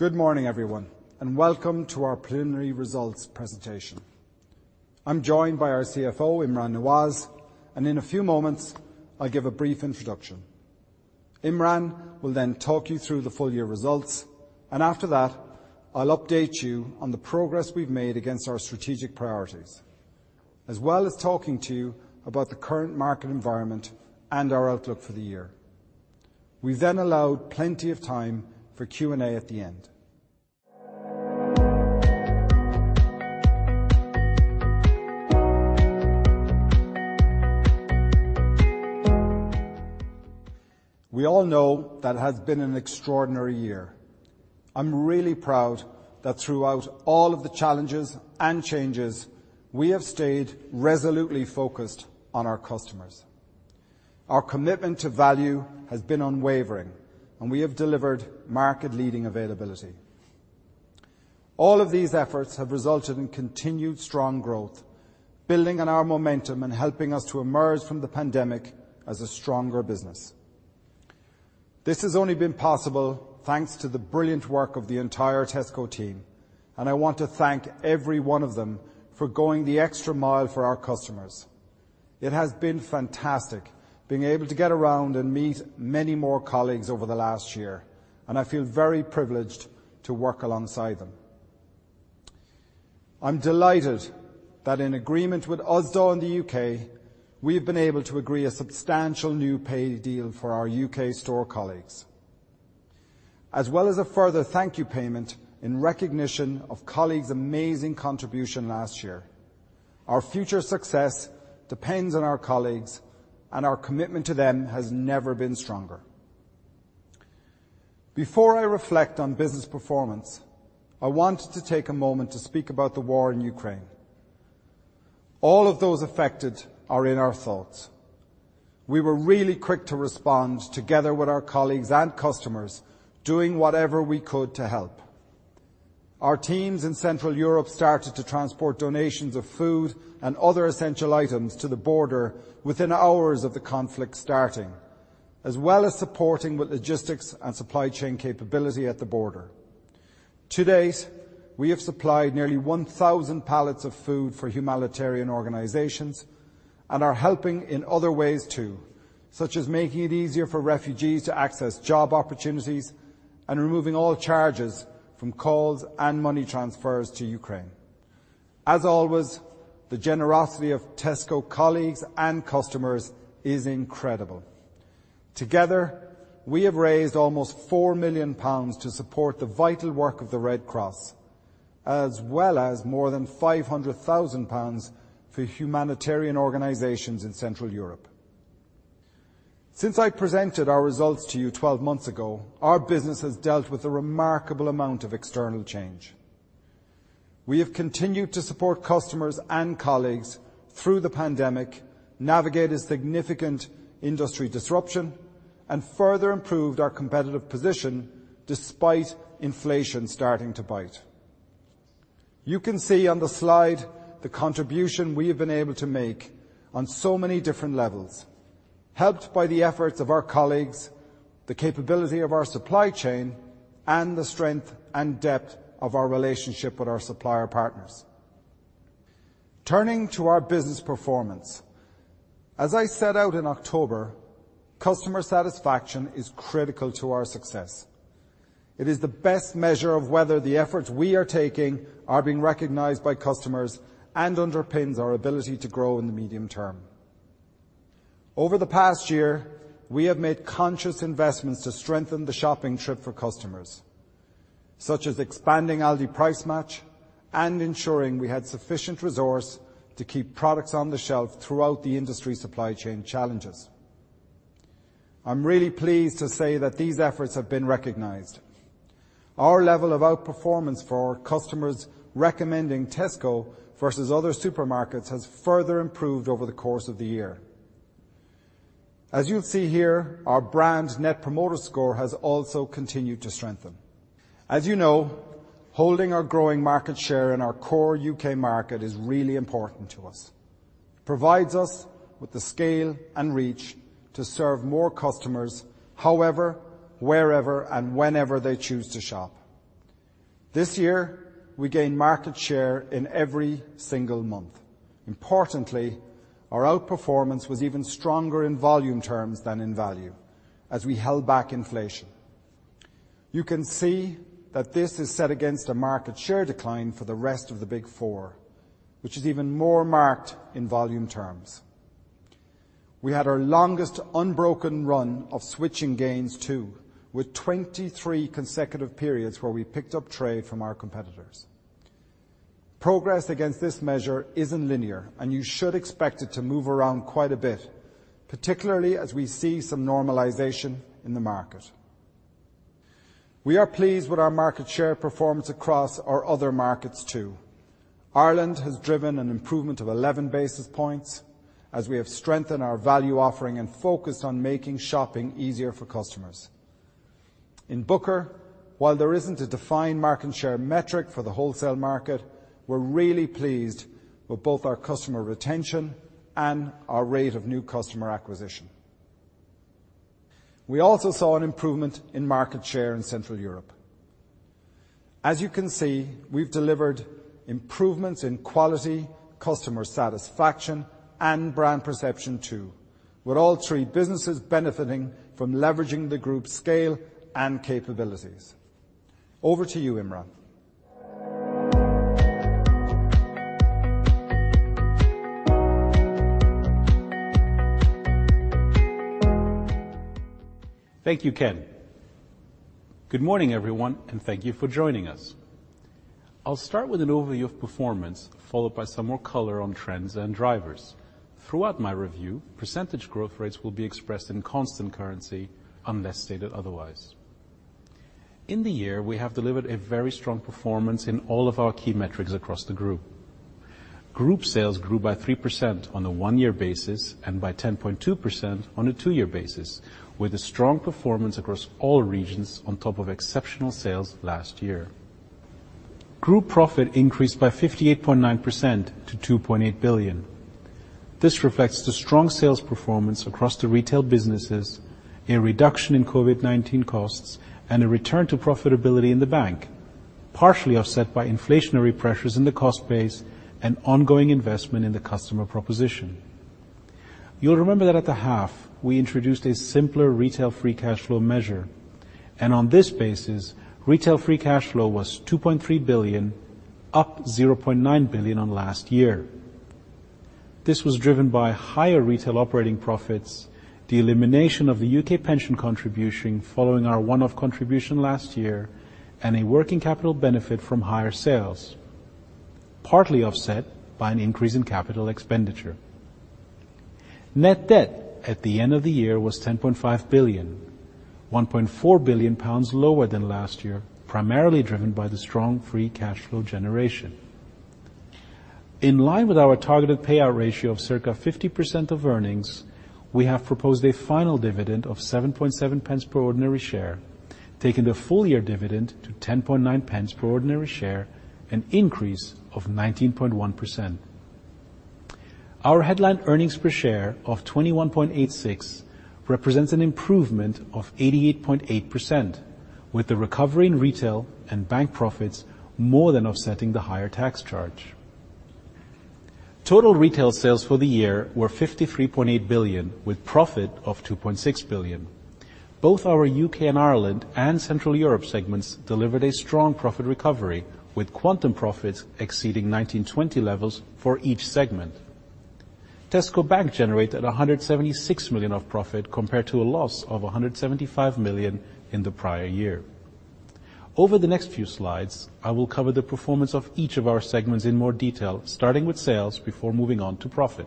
Good morning, everyone, and welcome to our preliminary results presentation. I'm joined by our CFO, Imran Nawaz, and in a few moments, I'll give a brief introduction. Imran will then talk you through the full year results, and after that, I'll update you on the progress we've made against our strategic priorities, as well as talking to you about the current market environment and our outlook for the year. We've then allowed plenty of time for Q&A at the end. We all know that it has been an extraordinary year. I'm really proud that throughout all of the challenges and changes, we have stayed resolutely focused on our customers. Our commitment to value has been unwavering, and we have delivered market-leading availability. All of these efforts have resulted in continued strong growth, building on our momentum and helping us to emerge from the pandemic as a stronger business. This has only been possible thanks to the brilliant work of the entire Tesco team, and I want to thank every one of them for going the extra mile for our customers. It has been fantastic being able to get around and meet many more colleagues over the last year, and I feel very privileged to work alongside them. I'm delighted that in agreement with Usdaw in the U.K., we've been able to agree a substantial new pay deal for our U.K. store colleagues, as well as a further thank-you payment in recognition of colleagues' amazing contribution last year. Our future success depends on our colleagues, and our commitment to them has never been stronger. Before I reflect on business performance, I want to take a moment to speak about the war in Ukraine. All of those affected are in our thoughts. We were really quick to respond together with our colleagues and customers, doing whatever we could to help. Our teams in Central Europe started to transport donations of food and other essential items to the border within hours of the conflict starting, as well as supporting with logistics and supply chain capability at the border. To date, we have supplied nearly 1,000 pallets of food for humanitarian organizations and are helping in other ways too, such as making it easier for refugees to access job opportunities and removing all charges from calls and money transfers to Ukraine. As always, the generosity of Tesco colleagues and customers is incredible. Together, we have raised almost 4 million pounds to support the vital work of the Red Cross, as well as more than 500,000 pounds for humanitarian organizations in Central Europe. Since I presented our results to you 12 months ago, our business has dealt with a remarkable amount of external change. We have continued to support customers and colleagues through the pandemic, navigated significant industry disruption, and further improved our competitive position despite inflation starting to bite. You can see on the slide the contribution we have been able to make on so many different levels, helped by the efforts of our colleagues, the capability of our supply chain, and the strength and depth of our relationship with our supplier partners. Turning to our business performance. As I set out in October, customer satisfaction is critical to our success. It is the best measure of whether the efforts we are taking are being recognized by customers and underpins our ability to grow in the medium term. Over the past year, we have made conscious investments to strengthen the shopping trip for customers, such as expanding Aldi Price Match and ensuring we had sufficient resource to keep products on the shelf throughout the industry supply chain challenges. I'm really pleased to say that these efforts have been recognized. Our level of outperformance for customers recommending Tesco versus other supermarkets has further improved over the course of the year. As you'll see here, our brand Net Promoter Score has also continued to strengthen. As you know, holding our growing market share in our core U.K. market is really important to us. It provides us with the scale and reach to serve more customers, however, wherever, and whenever they choose to shop. This year, we gained market share in every single month. Importantly, our outperformance was even stronger in volume terms than in value as we held back inflation. You can see that this is set against a market share decline for the rest of the big four, which is even more marked in volume terms. We had our longest unbroken run of switching gains, too, with 23 consecutive periods where we picked up trade from our competitors. Progress against this measure isn't linear, and you should expect it to move around quite a bit, particularly as we see some normalization in the market. We are pleased with our market share performance across our other markets, too. Ireland has driven an improvement of 11 basis points as we have strengthened our value offering and focused on making shopping easier for customers. In Booker, while there isn't a defined market share metric for the wholesale market, we're really pleased with both our customer retention and our rate of new customer acquisition. We also saw an improvement in market share in Central Europe. As you can see, we've delivered improvements in quality, customer satisfaction, and brand perception too, with all three businesses benefiting from leveraging the group's scale and capabilities. Over to you, Imran. Thank you, Ken. Good morning, everyone, and thank you for joining us. I'll start with an overview of performance, followed by some more color on trends and drivers. Throughout my review, percentage growth rates will be expressed in constant currency, unless stated otherwise. In the year, we have delivered a very strong performance in all of our key metrics across the group. Group sales grew by 3% on a one-year basis and by 10.2% on a two-year basis, with a strong performance across all regions on top of exceptional sales last year. Group profit increased by 58.9% to 2.8 billion. This reflects the strong sales performance across the retail businesses, a reduction in COVID-19 costs, and a return to profitability in the bank, partially offset by inflationary pressures in the cost base and ongoing investment in the customer proposition. You'll remember that at the half, we introduced a simpler retail free cash flow measure, and on this basis, retail free cash flow was 2.3 billion, up 0.9 billion on last year. This was driven by higher retail operating profits, the elimination of the U.K. pension contribution following our one-off contribution last year, and a working capital benefit from higher sales, partly offset by an increase in capital expenditure. Net debt at the end of the year was 10.5 billion, 1.4 billion pounds lower than last year, primarily driven by the strong free cash flow generation. In line with our targeted payout ratio of circa 50% of earnings, we have proposed a final dividend of 7.7 pence per ordinary share, taking the full year dividend to 10.9 pence per ordinary share, an increase of 19.1%. Our headline earnings per share of 21.86 represents an improvement of 88.8%, with the recovery in retail and bank profits more than offsetting the higher tax charge. Total retail sales for the year were 53.8 billion, with profit of 2.6 billion. Both our UK and Ireland and Central Europe segments delivered a strong profit recovery, with quantum profits exceeding 2019-20 levels for each segment. Tesco Bank generated 176 million of profit compared to a loss of 175 million in the prior year. Over the next few slides, I will cover the performance of each of our segments in more detail, starting with sales before moving on to profit.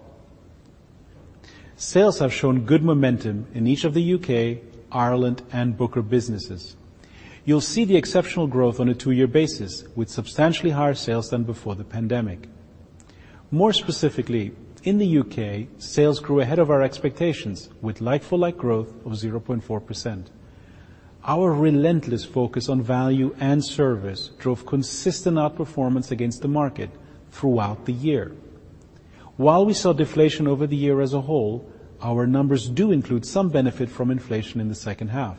Sales have shown good momentum in each of the U.K., Ireland, and Booker businesses. You'll see the exceptional growth on a two-year basis with substantially higher sales than before the pandemic. More specifically, in the U.K., sales grew ahead of our expectations with like-for-like growth of 0.4%. Our relentless focus on value and service drove consistent outperformance against the market throughout the year. While we saw deflation over the year as a whole, our numbers do include some benefit from inflation in the second half.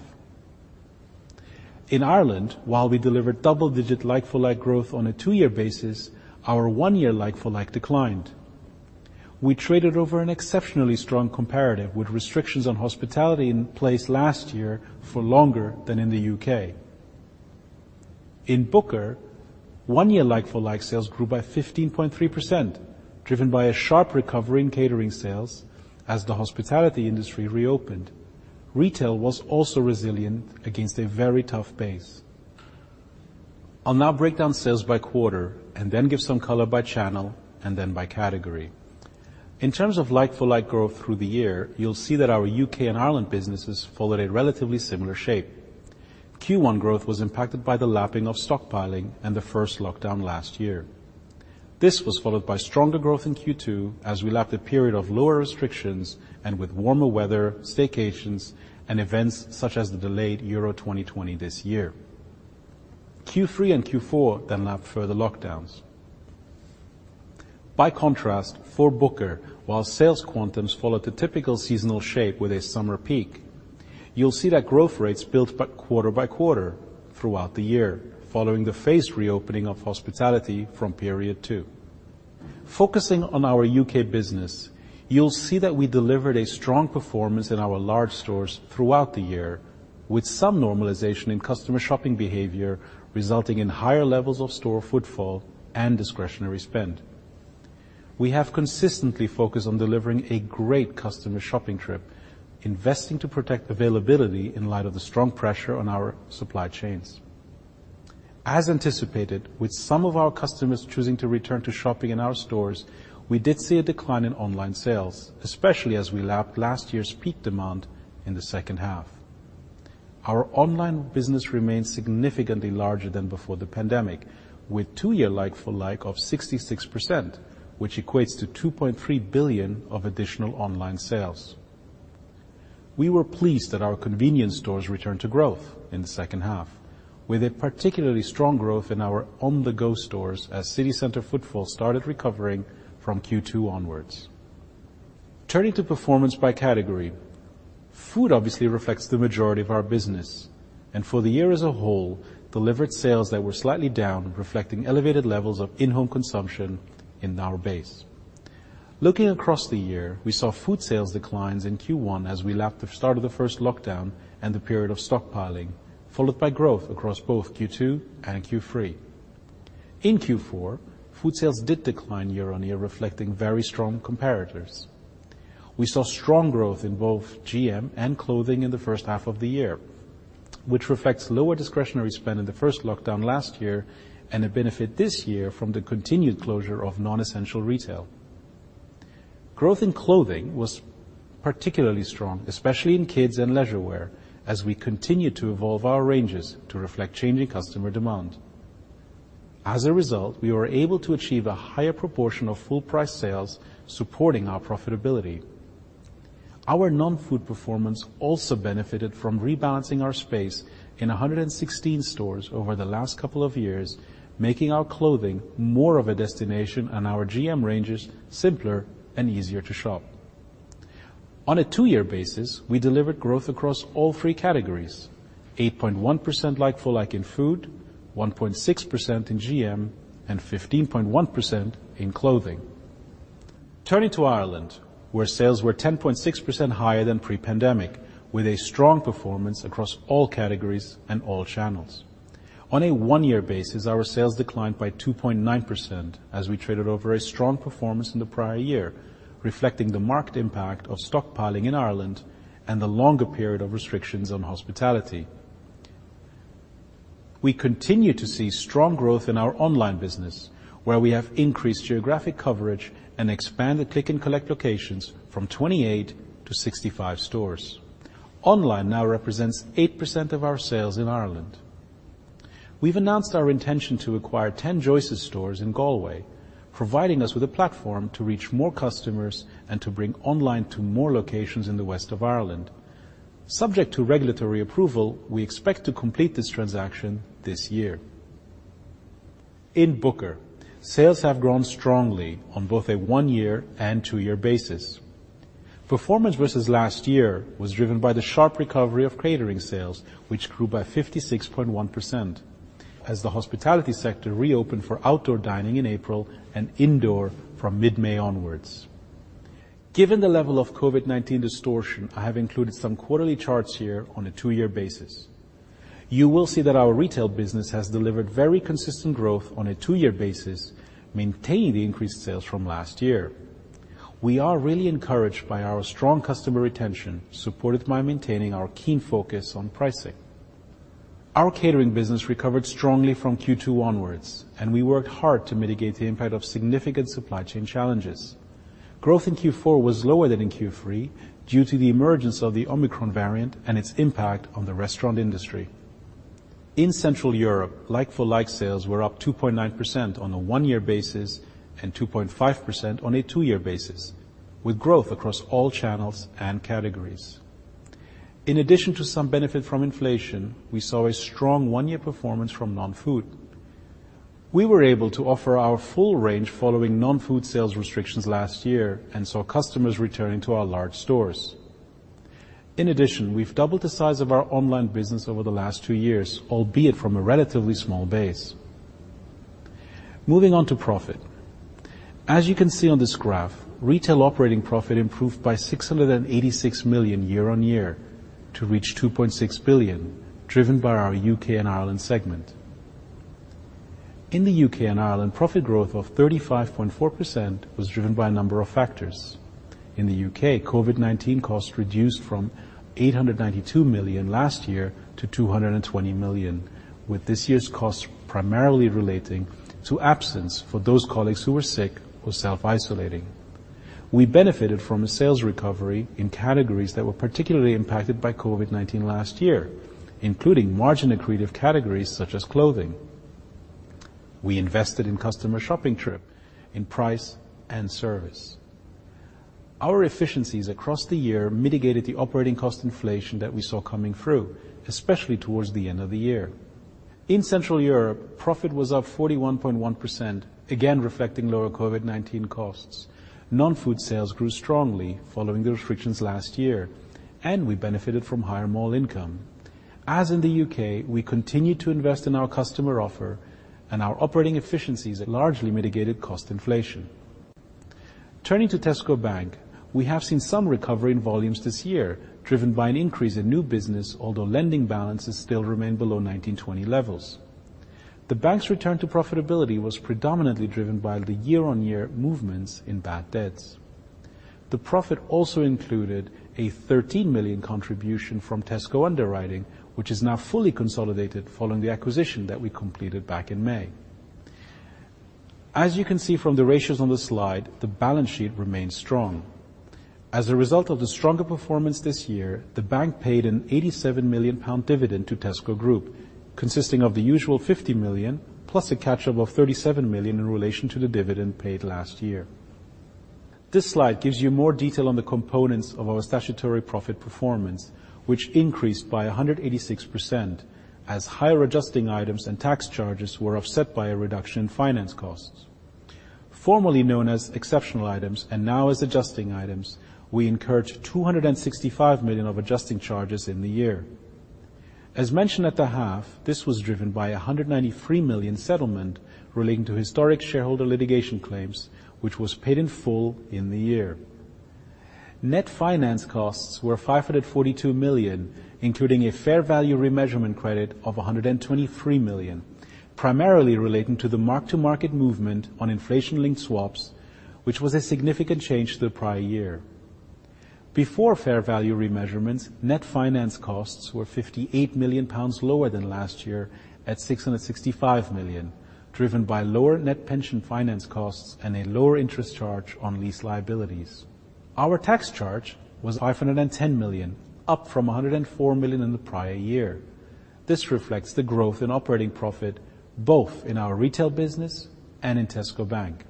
In Ireland, while we delivered double-digit like-for-like growth on a two-year basis, our one-year like-for-like declined. We traded over an exceptionally strong comparative with restrictions on hospitality in place last year for longer than in the UK. In Booker, one-year like-for-like sales grew by 15.3%, driven by a sharp recovery in catering sales as the hospitality industry reopened. Retail was also resilient against a very tough base. I'll now break down sales by quarter and then give some color by channel and then by category. In terms of like-for-like growth through the year, you'll see that our UK and Ireland businesses followed a relatively similar shape. Q1 growth was impacted by the lapping of stockpiling and the first lockdown last year. This was followed by stronger growth in Q2 as we lapped a period of lower restrictions and with warmer weather, staycations, and events such as the delayed Euro 2020 this year. Q3 and Q4 then lapped further lockdowns. By contrast, for Booker, while sales quantums followed the typical seasonal shape with a summer peak, you'll see that growth rates built but quarter by quarter throughout the year, following the phased reopening of hospitality from period two. Focusing on our U.K. business, you'll see that we delivered a strong performance in our large stores throughout the year, with some normalization in customer shopping behavior, resulting in higher levels of store footfall and discretionary spend. We have consistently focused on delivering a great customer shopping trip, investing to protect availability in light of the strong pressure on our supply chains. As anticipated, with some of our customers choosing to return to shopping in our stores, we did see a decline in online sales, especially as we lapped last year's peak demand in the second half. Our online business remains significantly larger than before the pandemic, with two-year like-for-like of 66%, which equates to 2.3 billion of additional online sales. We were pleased that our convenience stores returned to growth in the second half. With a particularly strong growth in our on-the-go stores as city center footfall started recovering from Q2 onwards. Turning to performance by category, food obviously reflects the majority of our business and for the year as a whole, delivered sales that were slightly down, reflecting elevated levels of in-home consumption in our base. Looking across the year, we saw food sales declines in Q1 as we lapped the start of the first lockdown and the period of stockpiling, followed by growth across both Q2 and Q3. In Q4, food sales did decline year-on-year, reflecting very strong comparators. We saw strong growth in both GM and clothing in the first half of the year, which reflects lower discretionary spend in the first lockdown last year and a benefit this year from the continued closure of non-essential retail. Growth in clothing was particularly strong, especially in kids and leisure wear as we continue to evolve our ranges to reflect changing customer demand. As a result, we were able to achieve a higher proportion of full price sales, supporting our profitability. Our non-food performance also benefited from rebalancing our space in 116 stores over the last couple of years, making our clothing more of a destination and our GM ranges simpler and easier to shop. On a two-year basis, we delivered growth across all three categories, 8.1% like-for-like in food, 1.6% in GM, and 15.1% in clothing. Turning to Ireland, where sales were 10.6% higher than pre-pandemic, with a strong performance across all categories and all channels. On a one-year basis, our sales declined by 2.9% as we traded over a strong performance in the prior year, reflecting the market impact of stockpiling in Ireland and the longer period of restrictions on hospitality. We continue to see strong growth in our online business, where we have increased geographic coverage and expanded Click+Collect locations from 28 to 65 stores. Online now represents 8% of our sales in Ireland. We've announced our intention to acquire 10 Joyce's stores in Galway, providing us with a platform to reach more customers and to bring online to more locations in the west of Ireland. Subject to regulatory approval, we expect to complete this transaction this year. In Booker, sales have grown strongly on both a one-year and two-year basis. Performance versus last year was driven by the sharp recovery of catering sales, which grew by 56.1% as the hospitality sector reopened for outdoor dining in April and indoor from mid-May onwards. Given the level of COVID-19 distortion, I have included some quarterly charts here on a two-year basis. You will see that our retail business has delivered very consistent growth on a two-year basis, maintaining the increased sales from last year. We are really encouraged by our strong customer retention, supported by maintaining our keen focus on pricing. Our catering business recovered strongly from Q2 onwards, and we worked hard to mitigate the impact of significant supply chain challenges. Growth in Q4 was lower than in Q3 due to the emergence of the Omicron variant and its impact on the restaurant industry. In Central Europe, like-for-like sales were up 2.9% on a one-year basis and 2.5% on a two-year basis, with growth across all channels and categories. In addition to some benefit from inflation, we saw a strong one-year performance from non-food. We were able to offer our full range following non-food sales restrictions last year and saw customers returning to our large stores. In addition, we've doubled the size of our online business over the last two years, albeit from a relatively small base. Moving on to profit. As you can see on this graph, retail operating profit improved by 686 million year-over-year to reach 2.6 billion, driven by our UK and Ireland segment. In the UK and Ireland, profit growth of 35.4% was driven by a number of factors. In the UK, COVID-19 costs reduced from 892 million last year to 220 million, with this year's costs primarily relating to absence for those colleagues who were sick or self-isolating. We benefited from a sales recovery in categories that were particularly impacted by COVID-19 last year, including margin accretive categories such as clothing. We invested in customer shopping trip, in price and service. Our efficiencies across the year mitigated the operating cost inflation that we saw coming through, especially towards the end of the year. In Central Europe, profit was up 41.1%, again, reflecting lower COVID-19 costs. Non-food sales grew strongly following the restrictions last year, and we benefited from higher mall income. As in the U.K., we continued to invest in our customer offer and our operating efficiencies largely mitigated cost inflation. Turning to Tesco Bank, we have seen some recovery in volumes this year, driven by an increase in new business, although lending balances still remain below 2019-20 levels. The bank's return to profitability was predominantly driven by the year-on-year movements in bad debts. The profit also included a 13 million contribution from Tesco Underwriting, which is now fully consolidated following the acquisition that we completed back in May. As you can see from the ratios on the slide, the balance sheet remains strong. As a result of the stronger performance this year, the bank paid a 87 million pound dividend to Tesco Group, consisting of the usual 50 million plus a catch up of 37 million in relation to the dividend paid last year. This slide gives you more detail on the components of our statutory profit performance, which increased by 186% as higher adjusting items and tax charges were offset by a reduction in finance costs. Formerly known as exceptional items and now as adjusting items, we incurred 265 million of adjusting charges in the year. As mentioned at the half, this was driven by a 193 million settlement relating to historic shareholder litigation claims, which was paid in full in the year. Net finance costs were 542 million, including a fair value remeasurement credit of 123 million, primarily relating to the mark-to-market movement on inflation-linked swaps, which was a significant change to the prior year. Before fair value remeasurements, net finance costs were 58 million pounds lower than last year at 665 million, driven by lower net pension finance costs and a lower interest charge on lease liabilities. Our tax charge was 510 million, up from 104 million in the prior year. This reflects the growth in operating profit, both in our retail business and in Tesco Bank.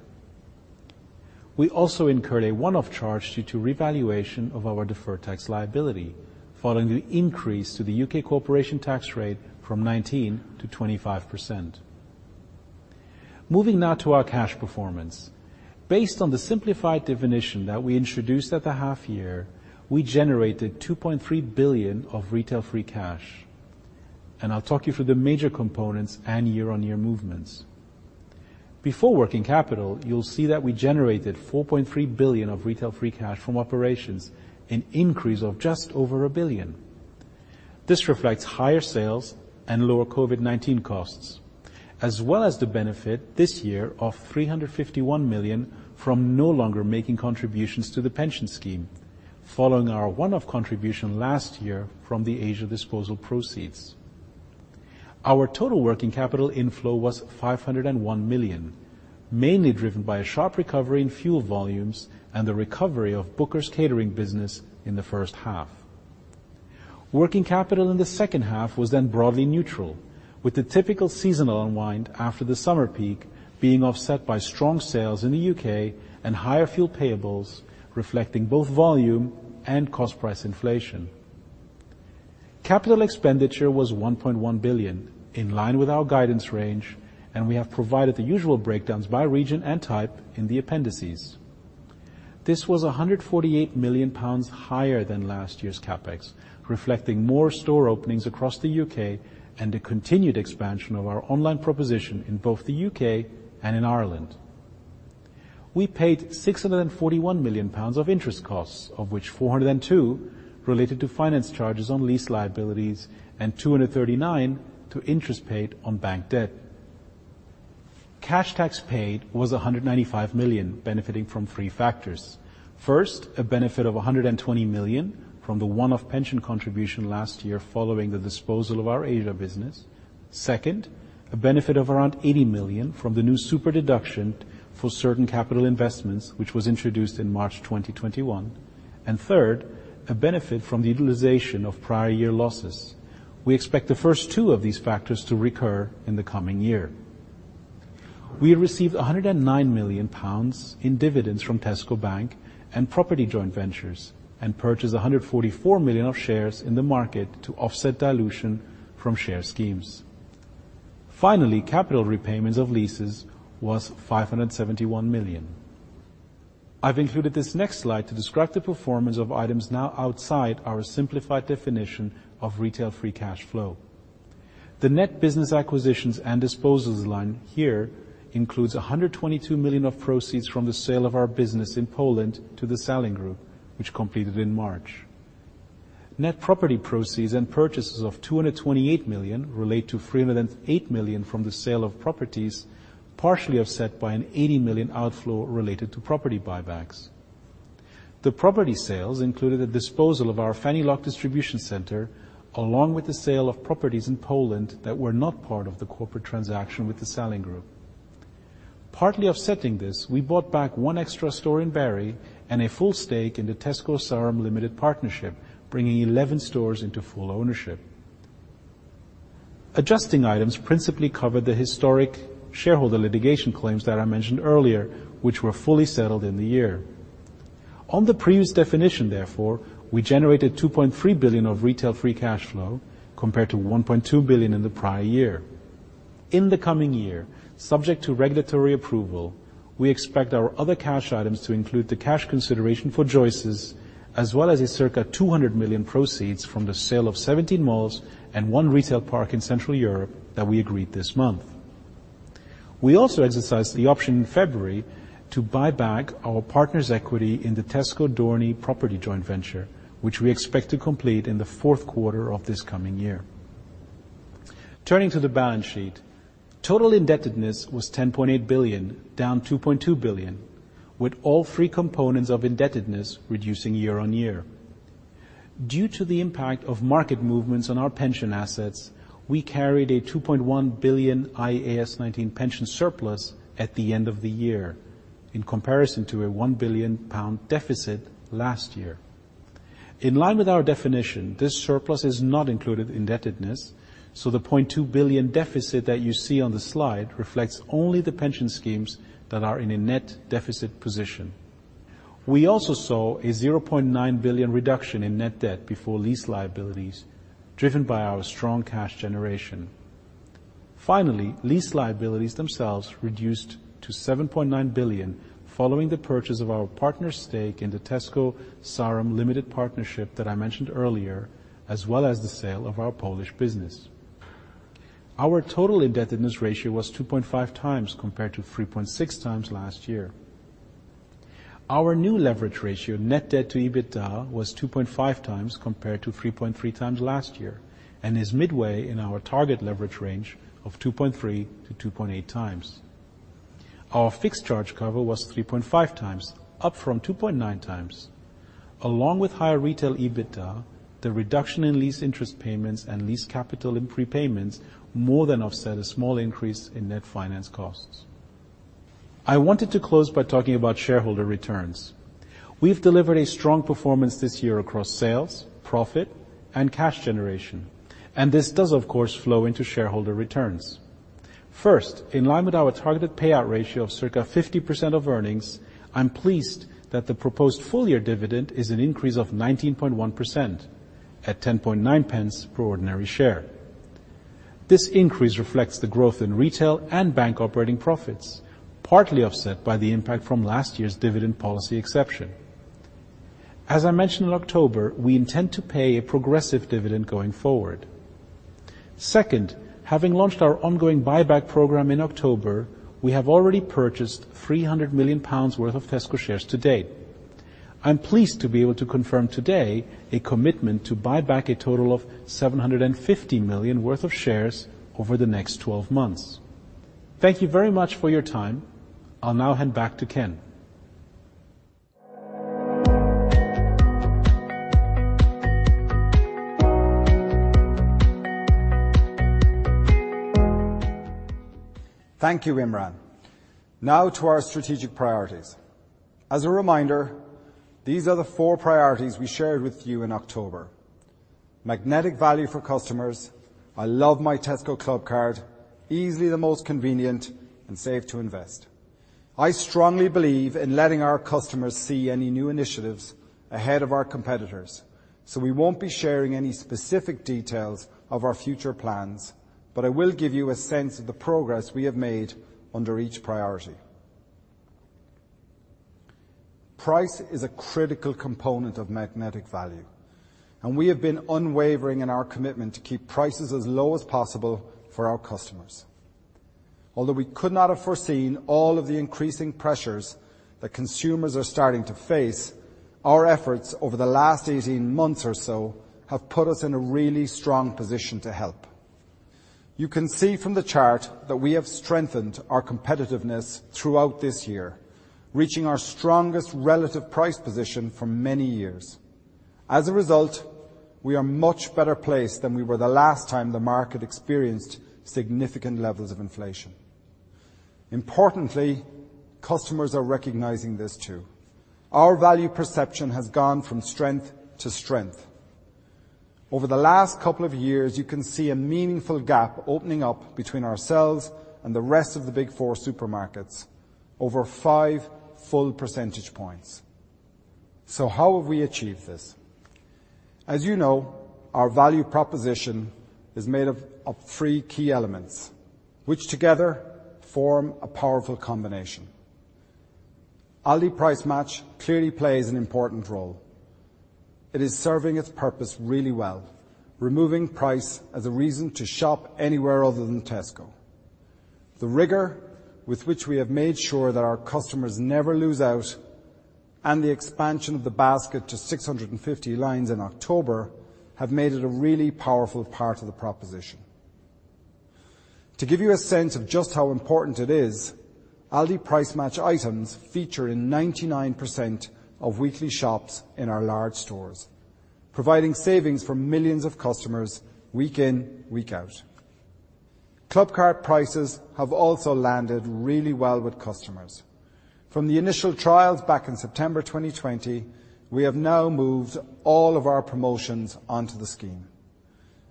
We also incurred a one-off charge due to revaluation of our deferred tax liability following the increase to the U.K. corporation tax rate from 19% to 25%. Moving now to our cash performance. Based on the simplified definition that we introduced at the half year, we generated 2.3 billion of retail free cash. I'll talk you through the major components and year-on-year movements. Before working capital, you'll see that we generated 4.3 billion of retail free cash from operations, an increase of just over 1 billion. This reflects higher sales and lower COVID-19 costs, as well as the benefit this year of 351 million from no longer making contributions to the pension scheme following our one-off contribution last year from the Asia disposal proceeds. Our total working capital inflow was 501 million, mainly driven by a sharp recovery in fuel volumes and the recovery of Booker's catering business in the first half. Working capital in the second half was then broadly neutral, with the typical seasonal unwind after the summer peak being offset by strong sales in the U.K. and higher fuel payables reflecting both volume and cost price inflation. Capital expenditure was 1.1 billion, in line with our guidance range, and we have provided the usual breakdowns by region and type in the appendices. This was 148 million pounds higher than last year's CapEx, reflecting more store openings across the U.K. and a continued expansion of our online proposition in both the U.K. and in Ireland. We paid 641 million pounds of interest costs, of which 402 related to finance charges on lease liabilities and 239 to interest paid on bank debt. Cash tax paid was 195 million, benefiting from three factors. First, a benefit of 120 million from the one-off pension contribution last year following the disposal of our Asia business. Second, a benefit of around 80 million from the new super-deduction for certain capital investments, which was introduced in March 2021. Third, a benefit from the utilization of prior year losses. We expect the first two of these factors to recur in the coming year. We received 109 million pounds in dividends from Tesco Bank and property joint ventures and purchased 144 million of shares in the market to offset dilution from share schemes. Finally, capital repayments of leases was 571 million. I've included this next slide to describe the performance of items now outside our simplified definition of retail free cash flow. The net business acquisitions and disposals line here includes 122 million of proceeds from the sale of our business in Poland to the Salling Group, which completed in March. Net property proceeds and purchases of 228 million relate to 308 million from the sale of properties, partially offset by an 80 million outflow related to property buybacks. The property sales included a disposal of our Fenny Lock distribution centre, along with the sale of properties in Poland that were not part of the corporate transaction with the Salling Group. Partly offsetting this, we bought back one extra store in Barry and a full stake in the Tesco Sarum Limited Partnership, bringing 11 stores into full ownership. Adjusting items principally cover the historic shareholder litigation claims that I mentioned earlier, which were fully settled in the year. On the previous definition therefore, we generated 2.3 billion of retail free cash flow compared to 1.2 billion in the prior year. In the coming year, subject to regulatory approval, we expect our other cash items to include the cash consideration for Joyce's, as well as circa 200 million proceeds from the sale of 17 malls and one retail park in Central Europe that we agreed this month. We also exercised the option in February to buy back our partner's equity in the Tesco Dorney property joint venture, which we expect to complete in the fourth quarter of this coming year. Turning to the balance sheet, total indebtedness was 10.8 billion, down 2.2 billion, with all three components of indebtedness reducing year-on-year. Due to the impact of market movements on our pension assets, we carried a 2.1 billion IAS 19 pension surplus at the end of the year in comparison to a 1 billion pound deficit last year. In line with our definition, this surplus is not included in indebtedness, so the 0.2 billion deficit that you see on the slide reflects only the pension schemes that are in a net deficit position. We also saw a 0.9 billion reduction in net debt before lease liabilities, driven by our strong cash generation. Finally, lease liabilities themselves reduced to 7.9 billion following the purchase of our partner stake in The Tesco Sarum Limited Partnership that I mentioned earlier, as well as the sale of our Polish business. Our total indebtedness ratio was 2.5x compared to 3.6x last year. Our new leverage ratio, net debt to EBITDA, was 2.5x compared to 3.3x last year and is midway in our target leverage range of 2.3x-2.8x. Our fixed charge cover was 3.5x, up from 2.9x. Along with higher retail EBITDA, the reduction in lease interest payments and lease capital in prepayments more than offset a small increase in net finance costs. I wanted to close by talking about shareholder returns. We've delivered a strong performance this year across sales, profit, and cash generation, and this does of course flow into shareholder returns. First, in line with our targeted payout ratio of circa 50% of earnings, I'm pleased that the proposed full year dividend is an increase of 19.1% at 10.9 pence per ordinary share. This increase reflects the growth in retail and bank operating profits, partly offset by the impact from last year's dividend policy exception. As I mentioned in October, we intend to pay a progressive dividend going forward. Second, having launched our ongoing buyback program in October, we have already purchased 300 million pounds worth of Tesco shares to date. I'm pleased to be able to confirm today a commitment to buy back a total of 750 million worth of shares over the next 12 months. Thank you very much for your time. I'll now hand back to Ken. Thank you, Imran. Now to our strategic priorities. As a reminder, these are the four priorities we shared with you in October. Magnetic value for customers. I love my Tesco Clubcard. Easily the most convenient and Save to Invest. I strongly believe in letting our customers see any new initiatives ahead of our competitors, so we won't be sharing any specific details of our future plans, but I will give you a sense of the progress we have made under each priority. Price is a critical component of magnetic value, and we have been unwavering in our commitment to keep prices as low as possible for our customers. Although we could not have foreseen all of the increasing pressures that consumers are starting to face, our efforts over the last 18 months or so have put us in a really strong position to help. You can see from the chart that we have strengthened our competitiveness throughout this year, reaching our strongest relative price position for many years. As a result, we are much better placed than we were the last time the market experienced significant levels of inflation. Importantly, customers are recognizing this too. Our value perception has gone from strength to strength. Over the last couple of years, you can see a meaningful gap opening up between ourselves and the rest of the big four supermarkets, over 5 full percentage points. How have we achieved this? As you know, our value proposition is made up of three key elements, which together form a powerful combination. Aldi Price Match clearly plays an important role. It is serving its purpose really well, removing price as a reason to shop anywhere other than Tesco. The rigor with which we have made sure that our customers never lose out and the expansion of the basket to 650 lines in October have made it a really powerful part of the proposition. To give you a sense of just how important it is, Aldi Price Match items feature in 99% of weekly shops in our large stores, providing savings for millions of customers week in, week out. Clubcard Prices have also landed really well with customers. From the initial trials back in September 2020, we have now moved all of our promotions onto the scheme.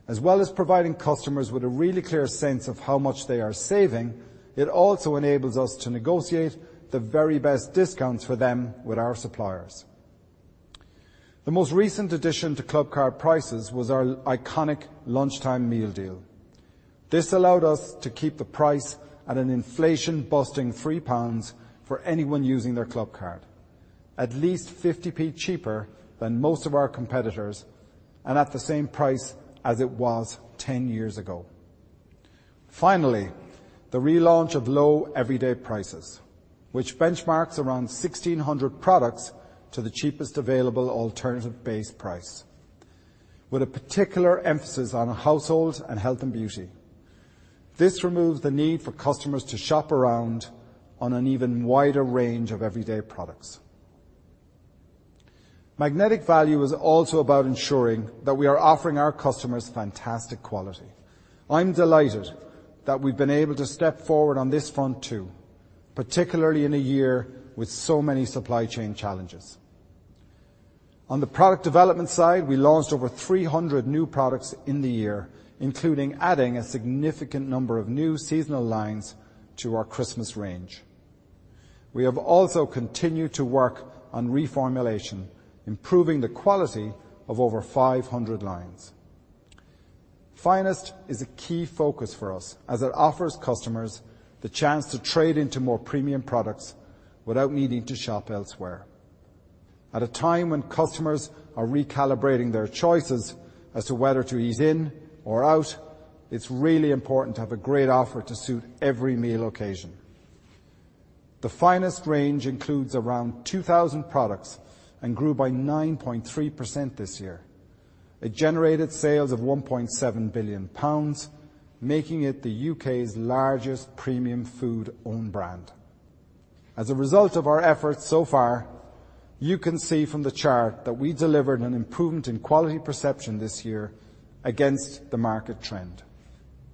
As well as providing customers with a really clear sense of how much they are saving, it also enables us to negotiate the very best discounts for them with our suppliers. The most recent addition to Clubcard Prices was our iconic lunchtime meal deal. This allowed us to keep the price at an inflation-busting 3 pounds for anyone using their Clubcard, at least 0.50 cheaper than most of our competitors and at the same price as it was 10 years ago. Finally, the relaunch of Low Everyday Prices, which benchmarks around 1,600 products to the cheapest available alternative base price. With a particular emphasis on household and health and beauty, this removes the need for customers to shop around on an even wider range of everyday products. Magnetic value is also about ensuring that we are offering our customers fantastic quality. I'm delighted that we've been able to step forward on this front too. Particularly in a year with so many supply chain challenges. On the product development side, we launched over 300 new products in the year, including adding a significant number of new seasonal lines to our Christmas range. We have also continued to work on reformulation, improving the quality of over 500 lines. Finest is a key focus for us, as it offers customers the chance to trade into more premium products without needing to shop elsewhere. At a time when customers are recalibrating their choices as to whether to ease in or out, it's really important to have a great offer to suit every meal occasion. The Finest range includes around 2,000 products and grew by 9.3% this year. It generated sales of 1.7 billion pounds, making it the U.K.'s largest premium food own brand. As a result of our efforts so far, you can see from the chart that we delivered an improvement in quality perception this year against the market trend.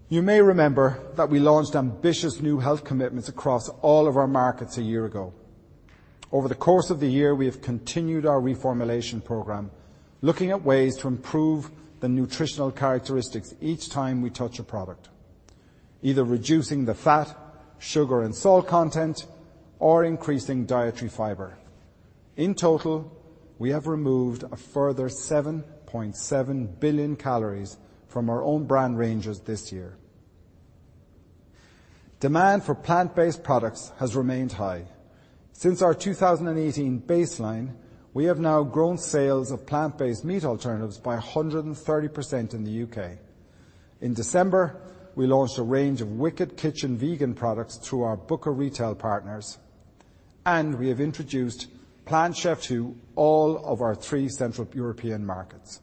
You may remember that we launched ambitious new health commitments across all of our markets a year ago. Over the course of the year, we have continued our reformulation program, looking at ways to improve the nutritional characteristics each time we touch a product, either reducing the fat, sugar, and salt content or increasing dietary fiber. In total, we have removed a further 7.7 billion calories from our own-brand ranges this year. Demand for plant-based products has remained high. Since our 2018 baseline, we have now grown sales of plant-based meat alternatives by 130% in the UK. In December, we launched a range of Wicked Kitchen vegan products through our Booker retail partners, and we have introduced Plant Chef to all of our three central European markets.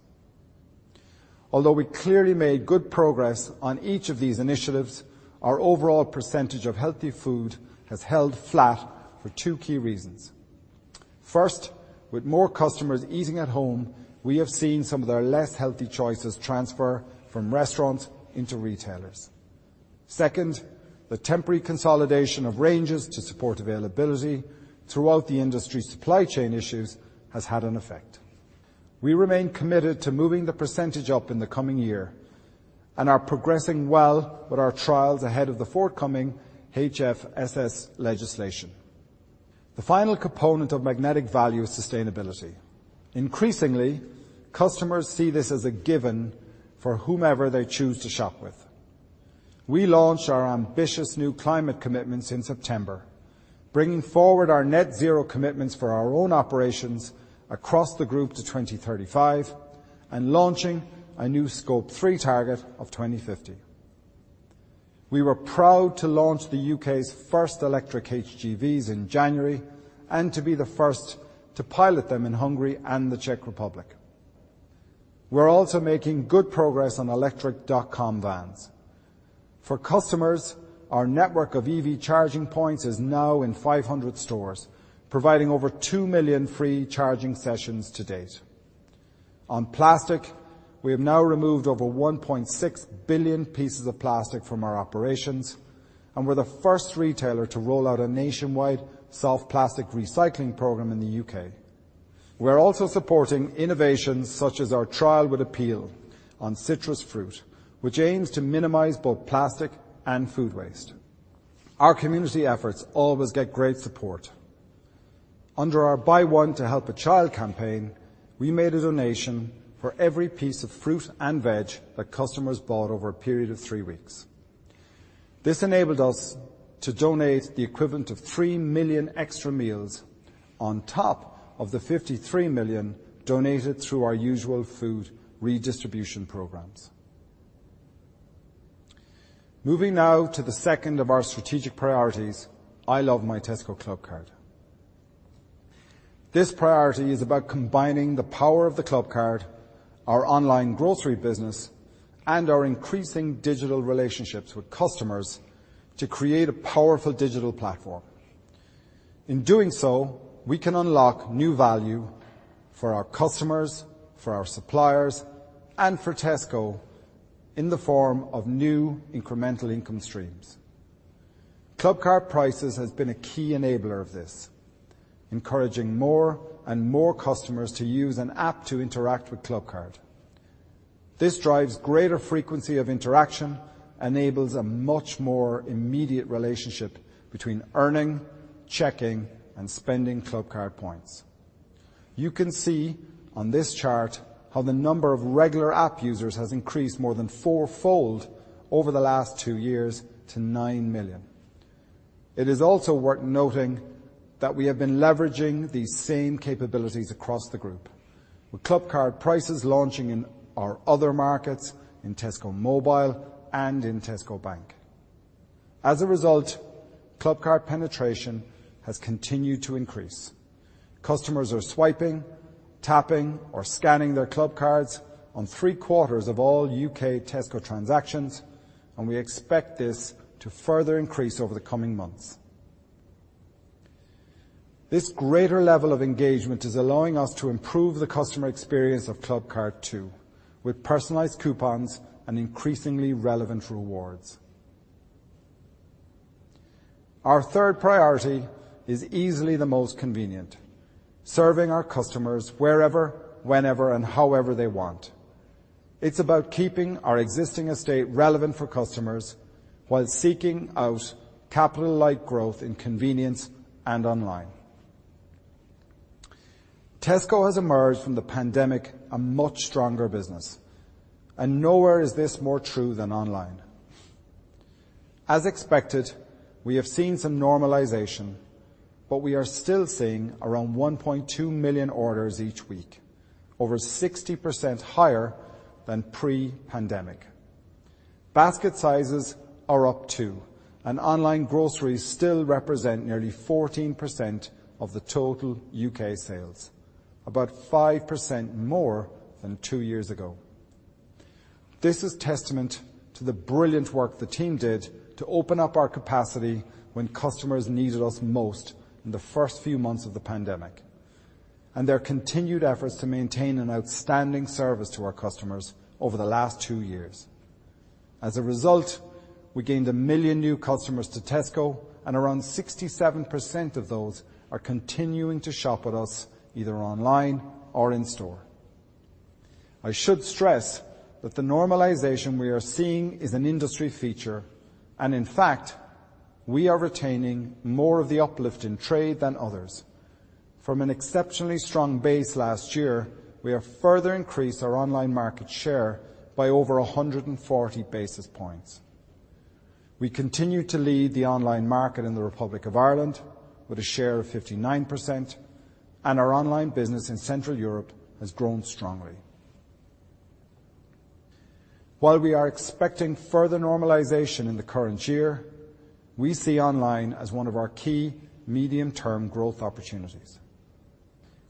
Although we clearly made good progress on each of these initiatives, our overall percentage of healthy food has held flat for two key reasons. First, with more customers eating at home, we have seen some of their less healthy choices transfer from restaurants into retailers. Second, the temporary consolidation of ranges to support availability throughout the industry supply chain issues has had an effect. We remain committed to moving the percentage up in the coming year and are progressing well with our trials ahead of the forthcoming HFSS legislation. The final component of magnetic value is sustainability. Increasingly, customers see this as a given for whomever they choose to shop with. We launched our ambitious new climate commitments in September, bringing forward our net zero commitments for our own operations across the group to 2035 and launching a new Scope 3 target of 2050. We were proud to launch the U.K.'s first electric HGVs in January and to be the first to pilot them in Hungary and the Czech Republic. We're also making good progress on electric vans. For customers, our network of EV charging points is now in 500 stores, providing over 2 million free charging sessions to date. On plastic, we have now removed over 1.6 billion pieces of plastic from our operations, and we're the first retailer to roll out a nationwide soft plastic recycling program in the U.K. We're also supporting innovations such as our trial with Apeel on citrus fruit, which aims to minimize both plastic and food waste. Our community efforts always get great support. Under our Buy One to Help a Child campaign, we made a donation for every piece of fruit and veg that customers bought over a period of three weeks. This enabled us to donate the equivalent of 3 million extra meals on top of the 53 million donated through our usual food redistribution programs. Moving now to the second of our strategic priorities, I Love My Tesco Clubcard. This priority is about combining the power of the Clubcard, our online grocery business, and our increasing digital relationships with customers to create a powerful digital platform. In doing so, we can unlock new value for our customers, for our suppliers, and for Tesco in the form of new incremental income streams. Clubcard Prices has been a key enabler of this, encouraging more and more customers to use an app to interact with Clubcard. This drives greater frequency of interaction, enables a much more immediate relationship between earning, checking, and spending Clubcard points. You can see on this chart how the number of regular app users has increased more than four-fold over the last two years to 9 million. It is also worth noting that we have been leveraging these same capabilities across the group, with Clubcard Prices launching in our other markets in Tesco Mobile and in Tesco Bank. As a result, Clubcard penetration has continued to increase. Customers are swiping, tapping, or scanning their Clubcards on three-quarters of all U.K. Tesco transactions, and we expect this to further increase over the coming months. This greater level of engagement is allowing us to improve the customer experience of Clubcard too, with personalized coupons and increasingly relevant rewards. Our third priority is easily the most convenient, serving our customers wherever, whenever, and however they want. It's about keeping our existing estate relevant for customers while seeking out capital-light growth in convenience and online. Tesco has emerged from the pandemic a much stronger business, and nowhere is this more true than online. As expected, we have seen some normalization, but we are still seeing around 1.2 million orders each week, over 60% higher than pre-pandemic. Basket sizes are up too, and online groceries still represent nearly 14% of the total U.K. sales, about 5% more than two years ago. This is testament to the brilliant work the team did to open up our capacity when customers needed us most in the first few months of the pandemic, and their continued efforts to maintain an outstanding service to our customers over the last two years. As a result, we gained 1 million new customers to Tesco, and around 67% of those are continuing to shop with us, either online or in store. I should stress that the normalization we are seeing is an industry feature, and in fact, we are retaining more of the uplift in trade than others. From an exceptionally strong base last year, we have further increased our online market share by over 140 basis points. We continue to lead the online market in the Republic of Ireland with a share of 59%, and our online business in Central Europe has grown strongly. While we are expecting further normalization in the current year, we see online as one of our key medium-term growth opportunities.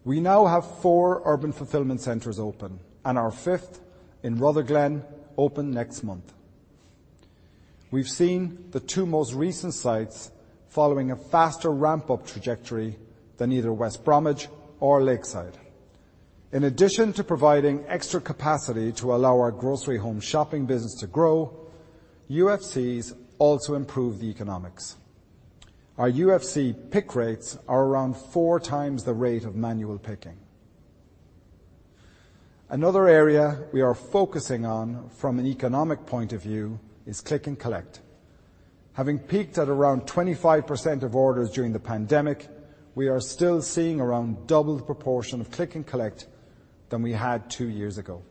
We now have four urban fulfillment centers open and our fifth in Rutherglen open next month. We've seen the two most recent sites following a faster ramp-up trajectory than either West Bromwich or Lakeside. In addition to providing extra capacity to allow our grocery home shopping business to grow, UFCs also improve the economics. Our UFC pick rates are around four times the rate of manual picking. Another area we are focusing on from an economic point of view is Click+ Collect. Having peaked at around 25% of orders during the pandemic, we are still seeing around double the proportion of Click+Collect than we had two years ago.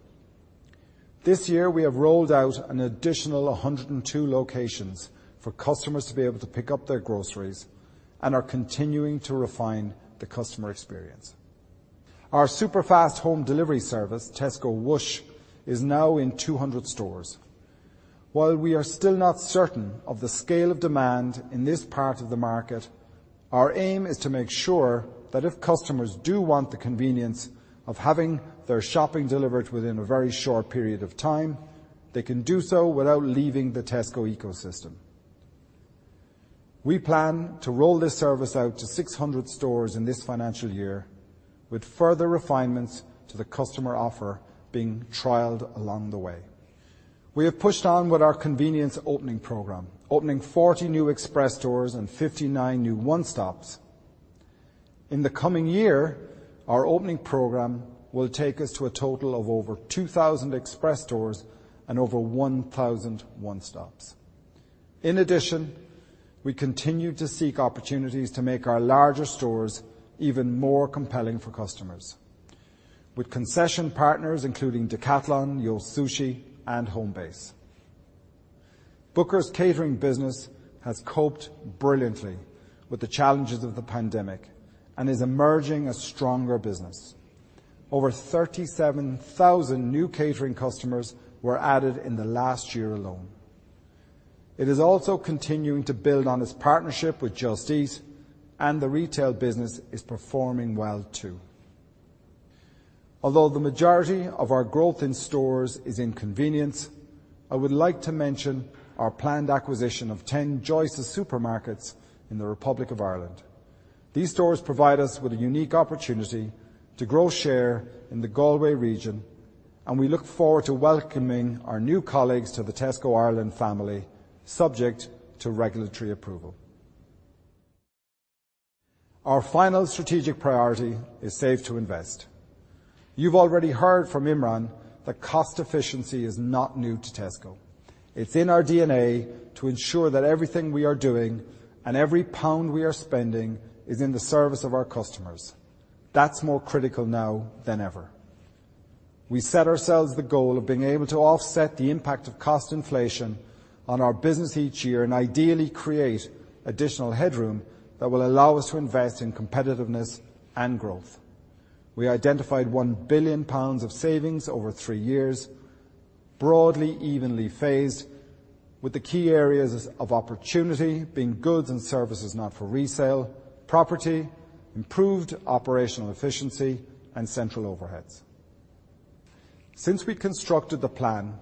This year, we have rolled out an additional hundred and two locations for customers to be able to pick up their groceries and are continuing to refine the customer experience. Our super fast home delivery service, Tesco Whoosh, is now in 200 stores. While we are still not certain of the scale of demand in this part of the market, our aim is to make sure that if customers do want the convenience of having their shopping delivered within a very short period of time, they can do so without leaving the Tesco ecosystem. We plan to roll this service out to 600 stores in this financial year with further refinements to the customer offer being trialed along the way. We have pushed on with our convenience opening program, opening 40 new Express stores and 59 new One Stops. In the coming year, our opening program will take us to a total of over 2,000 Express stores and over 1,000 One Stops. In addition, we continue to seek opportunities to make our larger stores even more compelling for customers with concession partners, including Decathlon, YO! Sushi, and Homebase. Booker's catering business has coped brilliantly with the challenges of the pandemic and is emerging a stronger business. Over 37,000 new catering customers were added in the last year alone. It is also continuing to build on its partnership with Just Eat, and the retail business is performing well too. Although the majority of our growth in stores is in convenience, I would like to mention our planned acquisition of 10 Joyce's Supermarkets in the Republic of Ireland. These stores provide us with a unique opportunity to grow share in the Galway region, and we look forward to welcoming our new colleagues to the Tesco Ireland family, subject to regulatory approval. Our final strategic priority is Save to Invest. You've already heard from Imran that cost efficiency is not new to Tesco. It's in our DNA to ensure that everything we are doing and every pound we are spending is in the service of our customers. That's more critical now than ever. We set ourselves the goal of being able to offset the impact of cost inflation on our business each year and ideally create additional headroom that will allow us to invest in competitiveness and growth. We identified 1 billion pounds of savings over three years, broadly evenly phased, with the key areas of opportunity being goods and services not for resale, property, improved operational efficiency, and central overheads. Since we constructed the plan,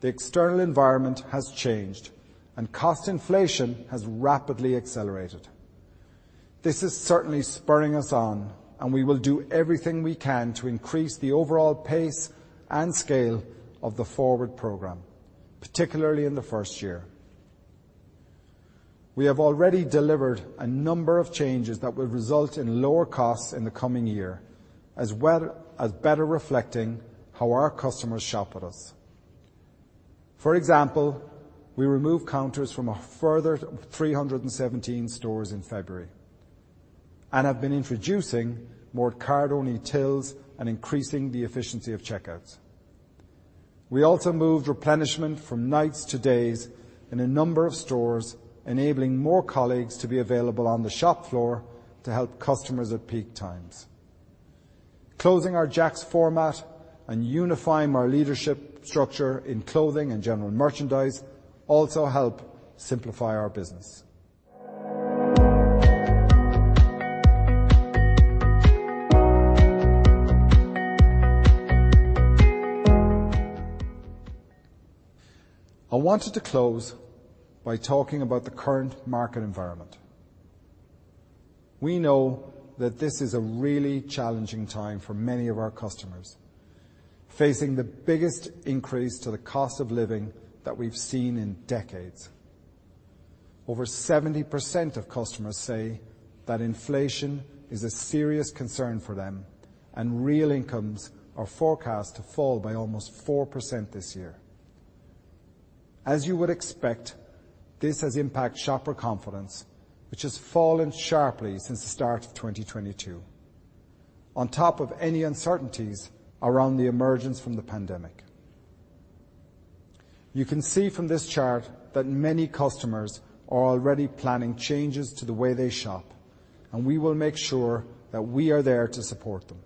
the external environment has changed and cost inflation has rapidly accelerated. This is certainly spurring us on, and we will do everything we can to increase the overall pace and scale of the forward program, particularly in the first year. We have already delivered a number of changes that will result in lower costs in the coming year, as well as better reflecting how our customers shop with us. For example, we removed counters from a further 317 stores in February and have been introducing more card-only tills and increasing the efficiency of checkouts. We also moved replenishment from nights to days in a number of stores, enabling more colleagues to be available on the shop floor to help customers at peak times. Closing our Jack's format and unifying our leadership structure in clothing and general merchandise also help simplify our business. I wanted to close by talking about the current market environment. We know that this is a really challenging time for many of our customers facing the biggest increase to the cost of living that we've seen in decades. Over 70% of customers say that inflation is a serious concern for them, and real incomes are forecast to fall by almost 4% this year. As you would expect, this has impacted shopper confidence, which has fallen sharply since the start of 2022, on top of any uncertainties around the emergence from the pandemic. You can see from this chart that many customers are already planning changes to the way they shop, and we will make sure that we are there to support them.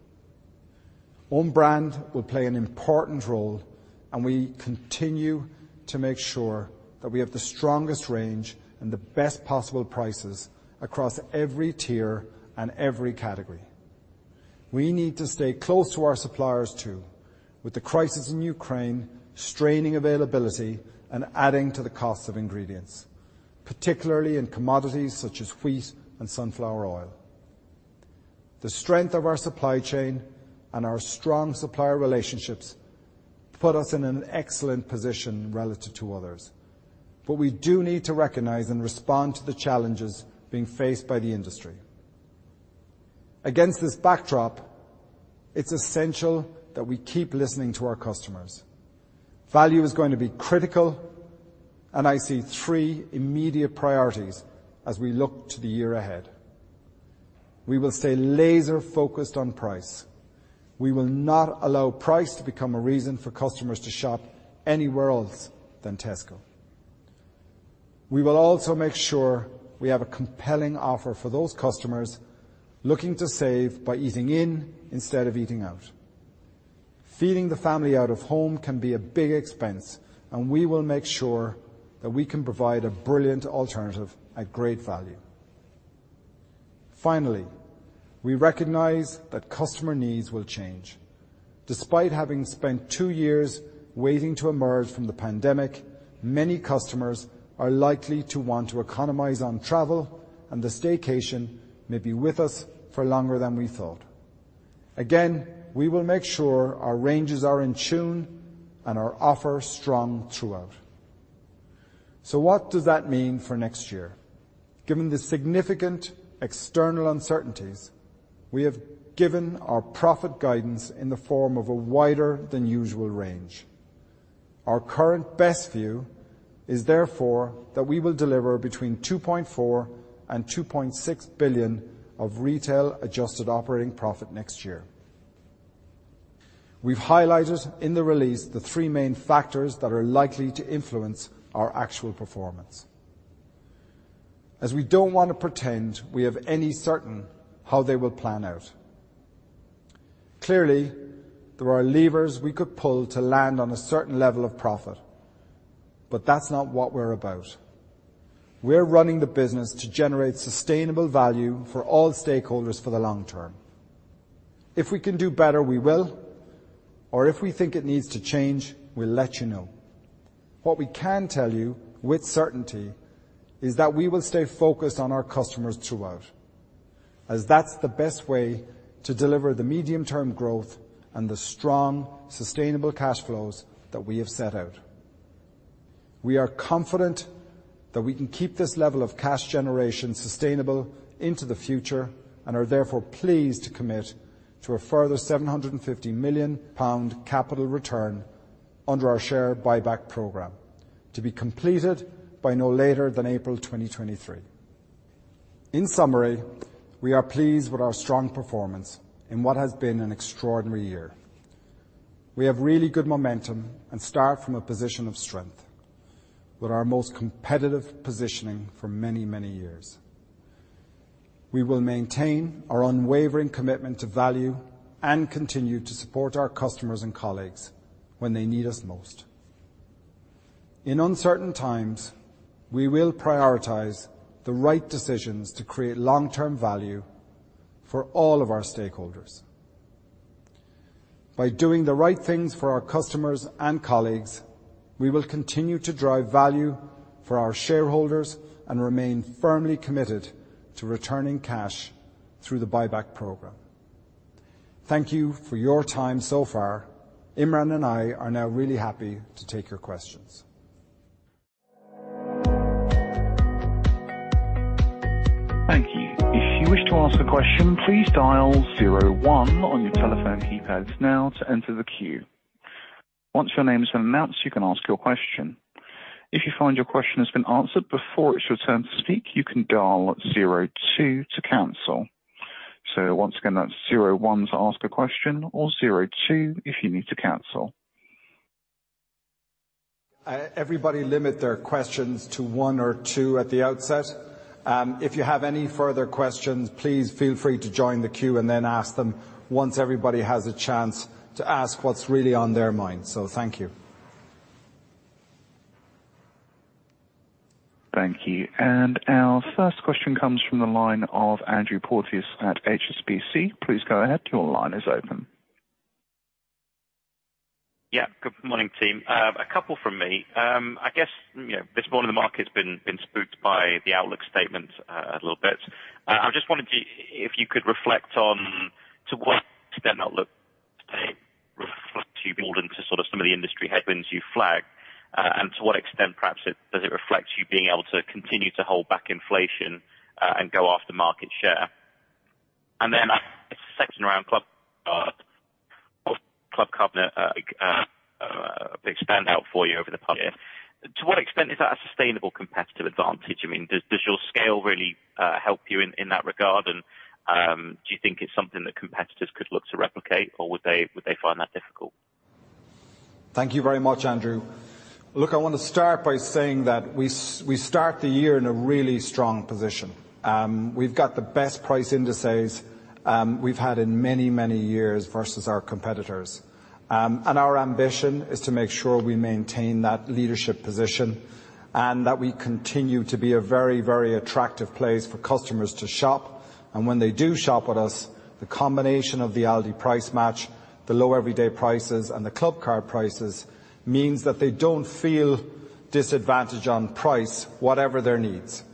Own brand will play an important role, and we continue to make sure that we have the strongest range and the best possible prices across every tier and every category. We need to stay close to our suppliers too, with the crisis in Ukraine straining availability and adding to the cost of ingredients, particularly in commodities such as wheat and sunflower oil. The strength of our supply chain and our strong supplier relationships put us in an excellent position relative to others. We do need to recognize and respond to the challenges being faced by the industry. Against this backdrop, it's essential that we keep listening to our customers. Value is going to be critical, and I see three immediate priorities as we look to the year ahead. We will stay laser focused on price. We will not allow price to become a reason for customers to shop anywhere else than Tesco. We will also make sure we have a compelling offer for those customers looking to save by eating in instead of eating out. Feeding the family out of home can be a big expense, and we will make sure that we can provide a brilliant alternative at great value. Finally, we recognize that customer needs will change. Despite having spent two years waiting to emerge from the pandemic, many customers are likely to want to economize on travel, and the staycation may be with us for longer than we thought. Again, we will make sure our ranges are in tune and our offer strong throughout. What does that mean for next year? Given the significant external uncertainties, we have given our profit guidance in the form of a wider than usual range. Our current best view is therefore that we will deliver between 2.4 billion and 2.6 billion of retail adjusted operating profit next year. We've highlighted in the release the three main factors that are likely to influence our actual performance. As we don't want to pretend we have any certainty how they will play out. Clearly, there are levers we could pull to land on a certain level of profit, but that's not what we're about. We're running the business to generate sustainable value for all stakeholders for the long term. If we can do better, we will, or if we think it needs to change, we'll let you know. What we can tell you with certainty is that we will stay focused on our customers throughout, as that's the best way to deliver the medium-term growth and the strong, sustainable cash flows that we have set out. We are confident that we can keep this level of cash generation sustainable into the future and are therefore pleased to commit to a further 750 million pound capital return under our share buyback program to be completed by no later than April 2023. In summary, we are pleased with our strong performance in what has been an extraordinary year. We have really good momentum and start from a position of strength with our most competitive positioning for many, many years. We will maintain our unwavering commitment to value and continue to support our customers and colleagues when they need us most. In uncertain times, we will prioritize the right decisions to create long-term value for all of our stakeholders. By doing the right things for our customers and colleagues, we will continue to drive value for our shareholders and remain firmly committed to returning cash through the buyback program. Thank you for your time so far. Imran and I are now really happy to take your questions. Thank you. If you wish to ask a question, please dial zero one on your telephone keypad now to enter the queue. Once your name is announced, you can ask your question. If you find your question has been answered before it's your turn to speak, you can dial zero two to cancel. So once again, that's zero one to ask a question or zero two if you need to cancel. Everybody limit their questions to one or two at the outset. If you have any further questions, please feel free to join the queue and then ask them once everybody has a chance to ask what's really on their minds. Thank you. Thank you. Our first question comes from the line of Andrew Porteous at HSBC. Please go ahead. Your line is open. Yeah. Good morning, team. A couple from me. I guess, you know, this morning the market's been spooked by the outlook statement, a little bit. If you could reflect on to what extent the outlook reflects for you more than some of the industry headwinds you flagged. And to what extent perhaps does it reflect you being able to continue to hold back inflation, and go after market share? Then second around Clubcard. How has Clubcard expanded for you over the past year. To what extent is that a sustainable competitive advantage? I mean, does your scale really help you in that regard? Do you think it's something that competitors could look to replicate, or would they find that difficult? Thank you very much, Andrew. Look, I wanna start by saying that we start the year in a really strong position. We've got the best price indices, we've had in many, many years versus our competitors. Our ambition is to make sure we maintain that leadership position, and that we continue to be a very, very attractive place for customers to shop. When they do shop with us, the combination of the Aldi Price Match, the Low Everyday Prices, and the Clubcard Prices means that they don't feel disadvantaged on price, whatever their needs.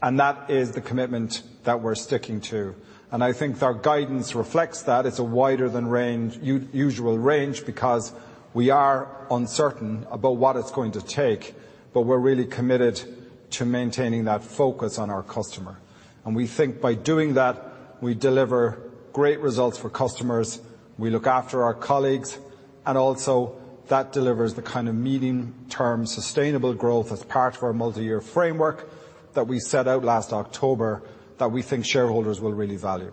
That is the commitment that we're sticking to. I think our guidance reflects that. It's a wider-than-usual range because we are uncertain about what it's going to take, but we're really committed to maintaining that focus on our customer. We think by doing that, we deliver great results for customers, we look after our colleagues, and also that delivers the kind of medium-term sustainable growth as part of our multi-year framework that we set out last October that we think shareholders will really value.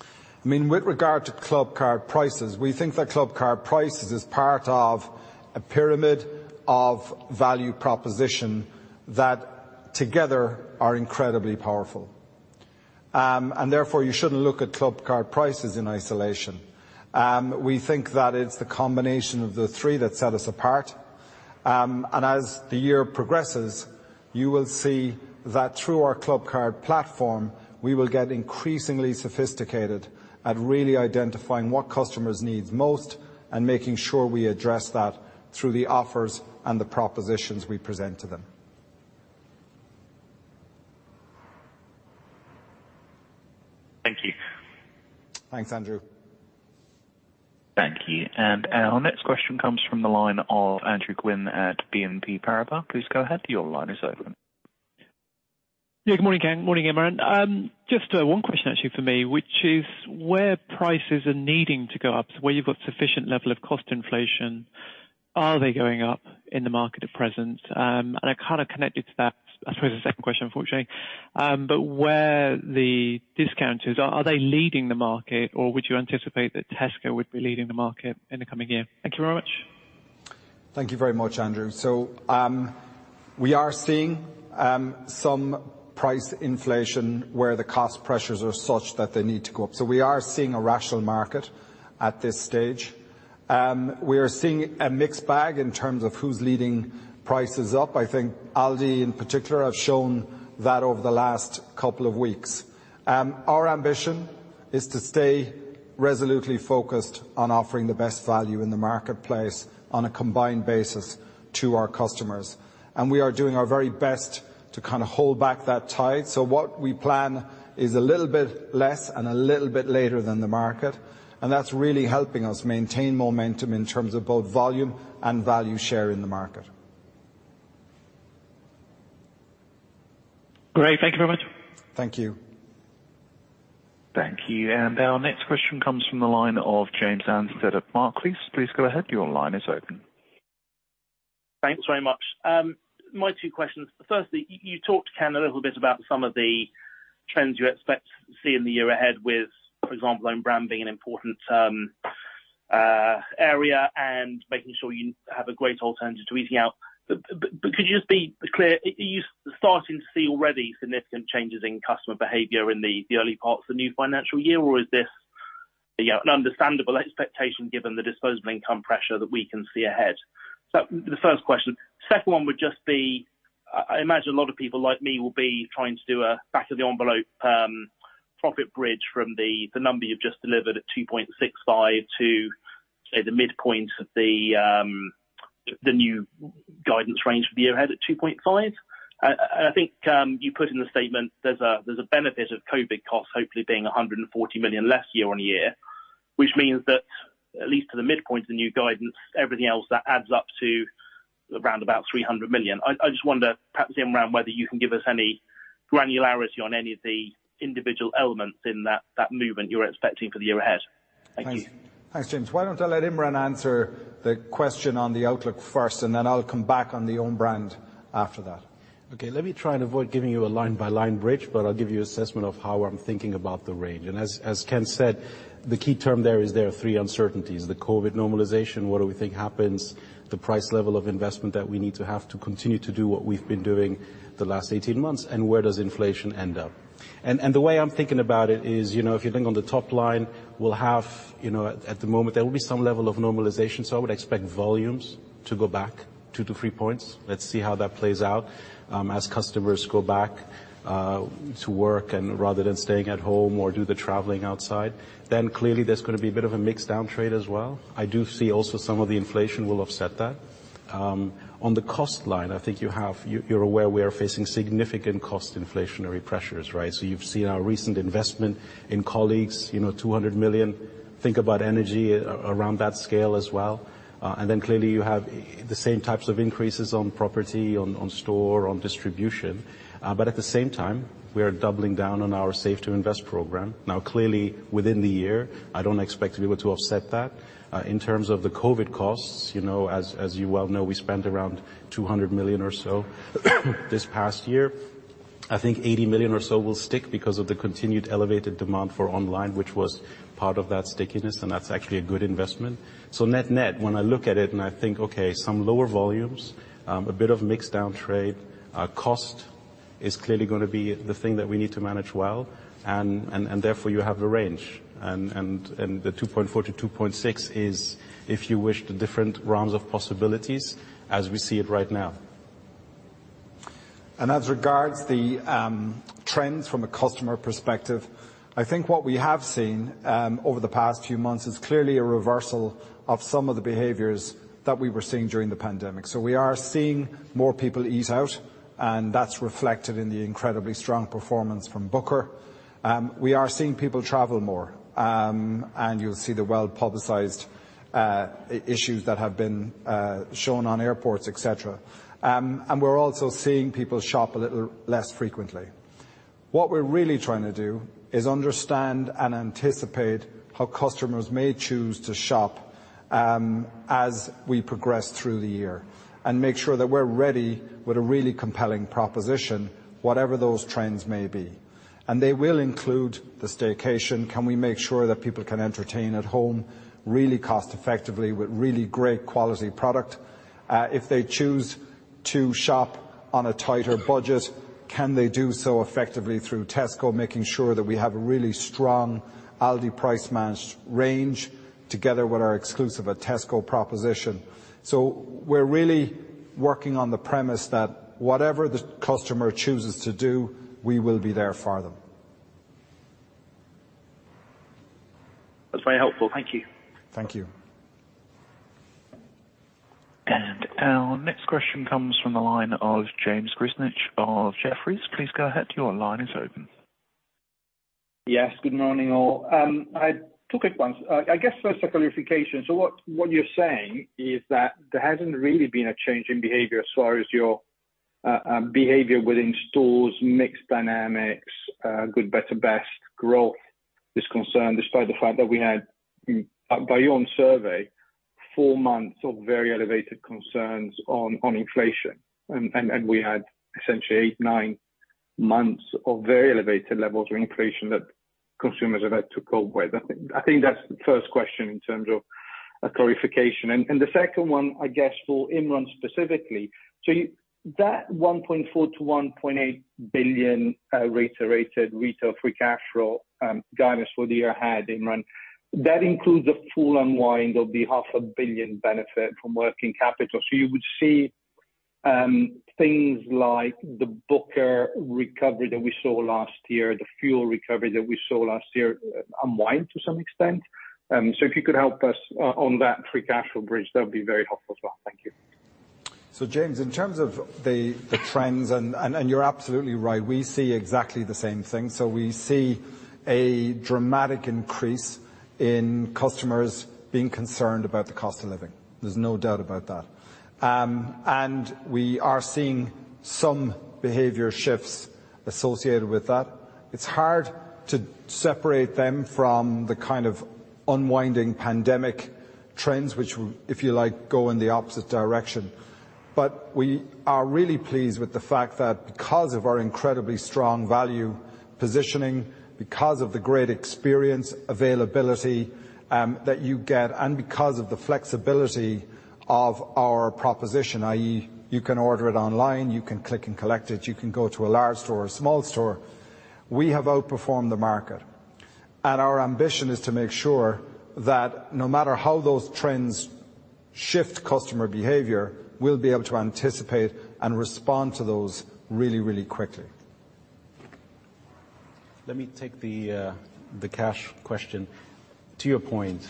I mean, with regard to Clubcard Prices, we think that Clubcard Prices is part of a pyramid of value proposition that together are incredibly powerful. Therefore you shouldn't look at Clubcard Prices in isolation. We think that it's the combination of the three that set us apart. As the year progresses, you will see that through our Clubcard platform, we will get increasingly sophisticated at really identifying what customers need most and making sure we address that through the offers and the propositions we present to them. Thank you. Thanks, Andrew. Thank you. Our next question comes from the line of Andrew Gwynn at BNP Paribas. Please go ahead. Your line is open. Good morning, Ken. Morning, Imran. Just one question actually for me, which is where prices are needing to go up, where you've got sufficient level of cost inflation, are they going up in the market at present? I kind of connected to that, I suppose a second question, unfortunately. Where the discounters are they leading the market, or would you anticipate that Tesco would be leading the market in the coming year? Thank you very much. Thank you very much, Andrew. We are seeing some price inflation where the cost pressures are such that they need to go up. We are seeing a rational market at this stage. We are seeing a mixed bag in terms of who's leading prices up. I think Aldi in particular have shown that over the last couple of weeks. Our ambition is to stay resolutely focused on offering the best value in the marketplace on a combined basis to our customers, and we are doing our very best to kinda hold back that tide. What we plan is a little bit less and a little bit later than the market, and that's really helping us maintain momentum in terms of both volume and value share in the market. Great. Thank you very much. Thank you. Thank you. Our next question comes from the line of James Anstead at Barclays. Please go ahead. Your line is open. Thanks very much. My two questions. Firstly, you talked, Ken, a little bit about some of the trends you expect to see in the year ahead with, for example, own brand being an important area and making sure you have a great alternative to eating out. But could you just be clear, are you starting to see already significant changes in customer behavior in the early parts of the new financial year, or is this, yeah, an understandable expectation given the disposable income pressure that we can see ahead. The first question. Second one would just be, I imagine a lot of people like me will be trying to do a back of the envelope profit bridge from the number you've just delivered at 2.65 to, say, the midpoint of the new guidance range for the year ahead at 2.5. I think you put in the statement there's a benefit of COVID costs hopefully being 140 million less year-on-year, which means that at least to the midpoint of the new guidance, everything else that adds up to around about 300 million. I just wonder perhaps, Imran, whether you can give us any granularity on any of the individual elements in that movement you're expecting for the year ahead. Thank you. Thanks. Thanks, James. Why don't I let Imran answer the question on the outlook first, and then I'll come back on the own brand after that. Okay, let me try and avoid giving you a line-by-line bridge, but I'll give you assessment of how I'm thinking about the range. As Ken said, the key term there is there are three uncertainties, the COVID normalization, what do we think happens, the price level of investment that we need to have to continue to do what we've been doing the last 18 months, and where does inflation end up. And the way I'm thinking about it is, you know, if you think on the top line, we'll have, you know, at the moment there will be some level of normalization, so I would expect volumes to go back two to three points. Let's see how that plays out, as customers go back to work and rather than staying at home or do the traveling outside. Clearly there's gonna be a bit of a mixed down trade as well. I do see also some of the inflation will offset that. On the cost line, I think you're aware we are facing significant cost inflationary pressures, right? So you've seen our recent investment in colleagues, you know, 200 million. Think about energy around that scale as well. Clearly you have the same types of increases on property, on store, on distribution, but at the same time, we are doubling down on our Save to Invest program. Now, clearly within the year, I don't expect to be able to offset that. In terms of the COVID costs, you know, as you well know, we spent around 200 million or so this past year. I think 80 million or so will stick because of the continued elevated demand for online, which was part of that stickiness, and that's actually a good investment. Net-net, when I look at it and I think, okay, some lower volumes, a bit of mixed down trade, cost is clearly gonna be the thing that we need to manage well. Therefore you have the range. The 2.4-2.6 is, if you wish, the different realms of possibilities as we see it right now. As regards the trends from a customer perspective, I think what we have seen over the past few months is clearly a reversal of some of the behaviors that we were seeing during the pandemic. We are seeing more people ease out, and that's reflected in the incredibly strong performance from Booker. We are seeing people travel more. You'll see the well-publicized issues that have been shown on airports, et cetera. We're also seeing people shop a little less frequently. What we're really trying to do is understand and anticipate how customers may choose to shop as we progress through the year and make sure that we're ready with a really compelling proposition, whatever those trends may be. They will include the staycation. Can we make sure that people can entertain at home really cost effectively with really great quality product? If they choose to shop on a tighter budget, can they do so effectively through Tesco, making sure that we have a really strong Aldi Price Match range together with our Exclusively at Tesco proposition? We're really working on the premise that whatever the customer chooses to do, we will be there for them. That's very helpful. Thank you. Thank you. Our next question comes from the line of James Grzinic of Jefferies. Please go ahead. Your line is open. Yes, good morning, all. I took it once. I guess first a clarification. What you're saying is that there hasn't really been a change in behavior as far as your behavior within stores, mix dynamics, good, better, best growth is concerned, despite the fact that we had by your own survey, four months of very elevated concerns on inflation. We had essentially eight, nine months of very elevated levels of inflation that consumers have had to cope with. I think that's the first question in terms of a clarification. The second one, I guess for Imran specifically. That 1.4 billion-1.8 billion reiterated retail free cash flow guidance for the year ahead, Imran, includes a full unwind of the 500 billion benefit from working capital. You would see things like the Booker recovery that we saw last year, the fuel recovery that we saw last year unwind to some extent. If you could help us on that free cash flow bridge, that would be very helpful as well. Thank you. James, in terms of the trends, and you're absolutely right, we see exactly the same thing. We see a dramatic increase in customers being concerned about the cost of living. There's no doubt about that. And we are seeing some behavior shifts associated with that. It's hard to separate them from the kind of unwinding pandemic trends, which if you like, go in the opposite direction. We are really pleased with the fact that because of our incredibly strong value positioning, because of the great experience availability, that you get, and because of the flexibility of our proposition, i.e., you can order it online, you can click and collect it, you can go to a large store or a small store. We have outperformed the market, and our ambition is to make sure that no matter how those trends shift customer behavior, we'll be able to anticipate and respond to those really, really quickly. Let me take the cash question. To your point,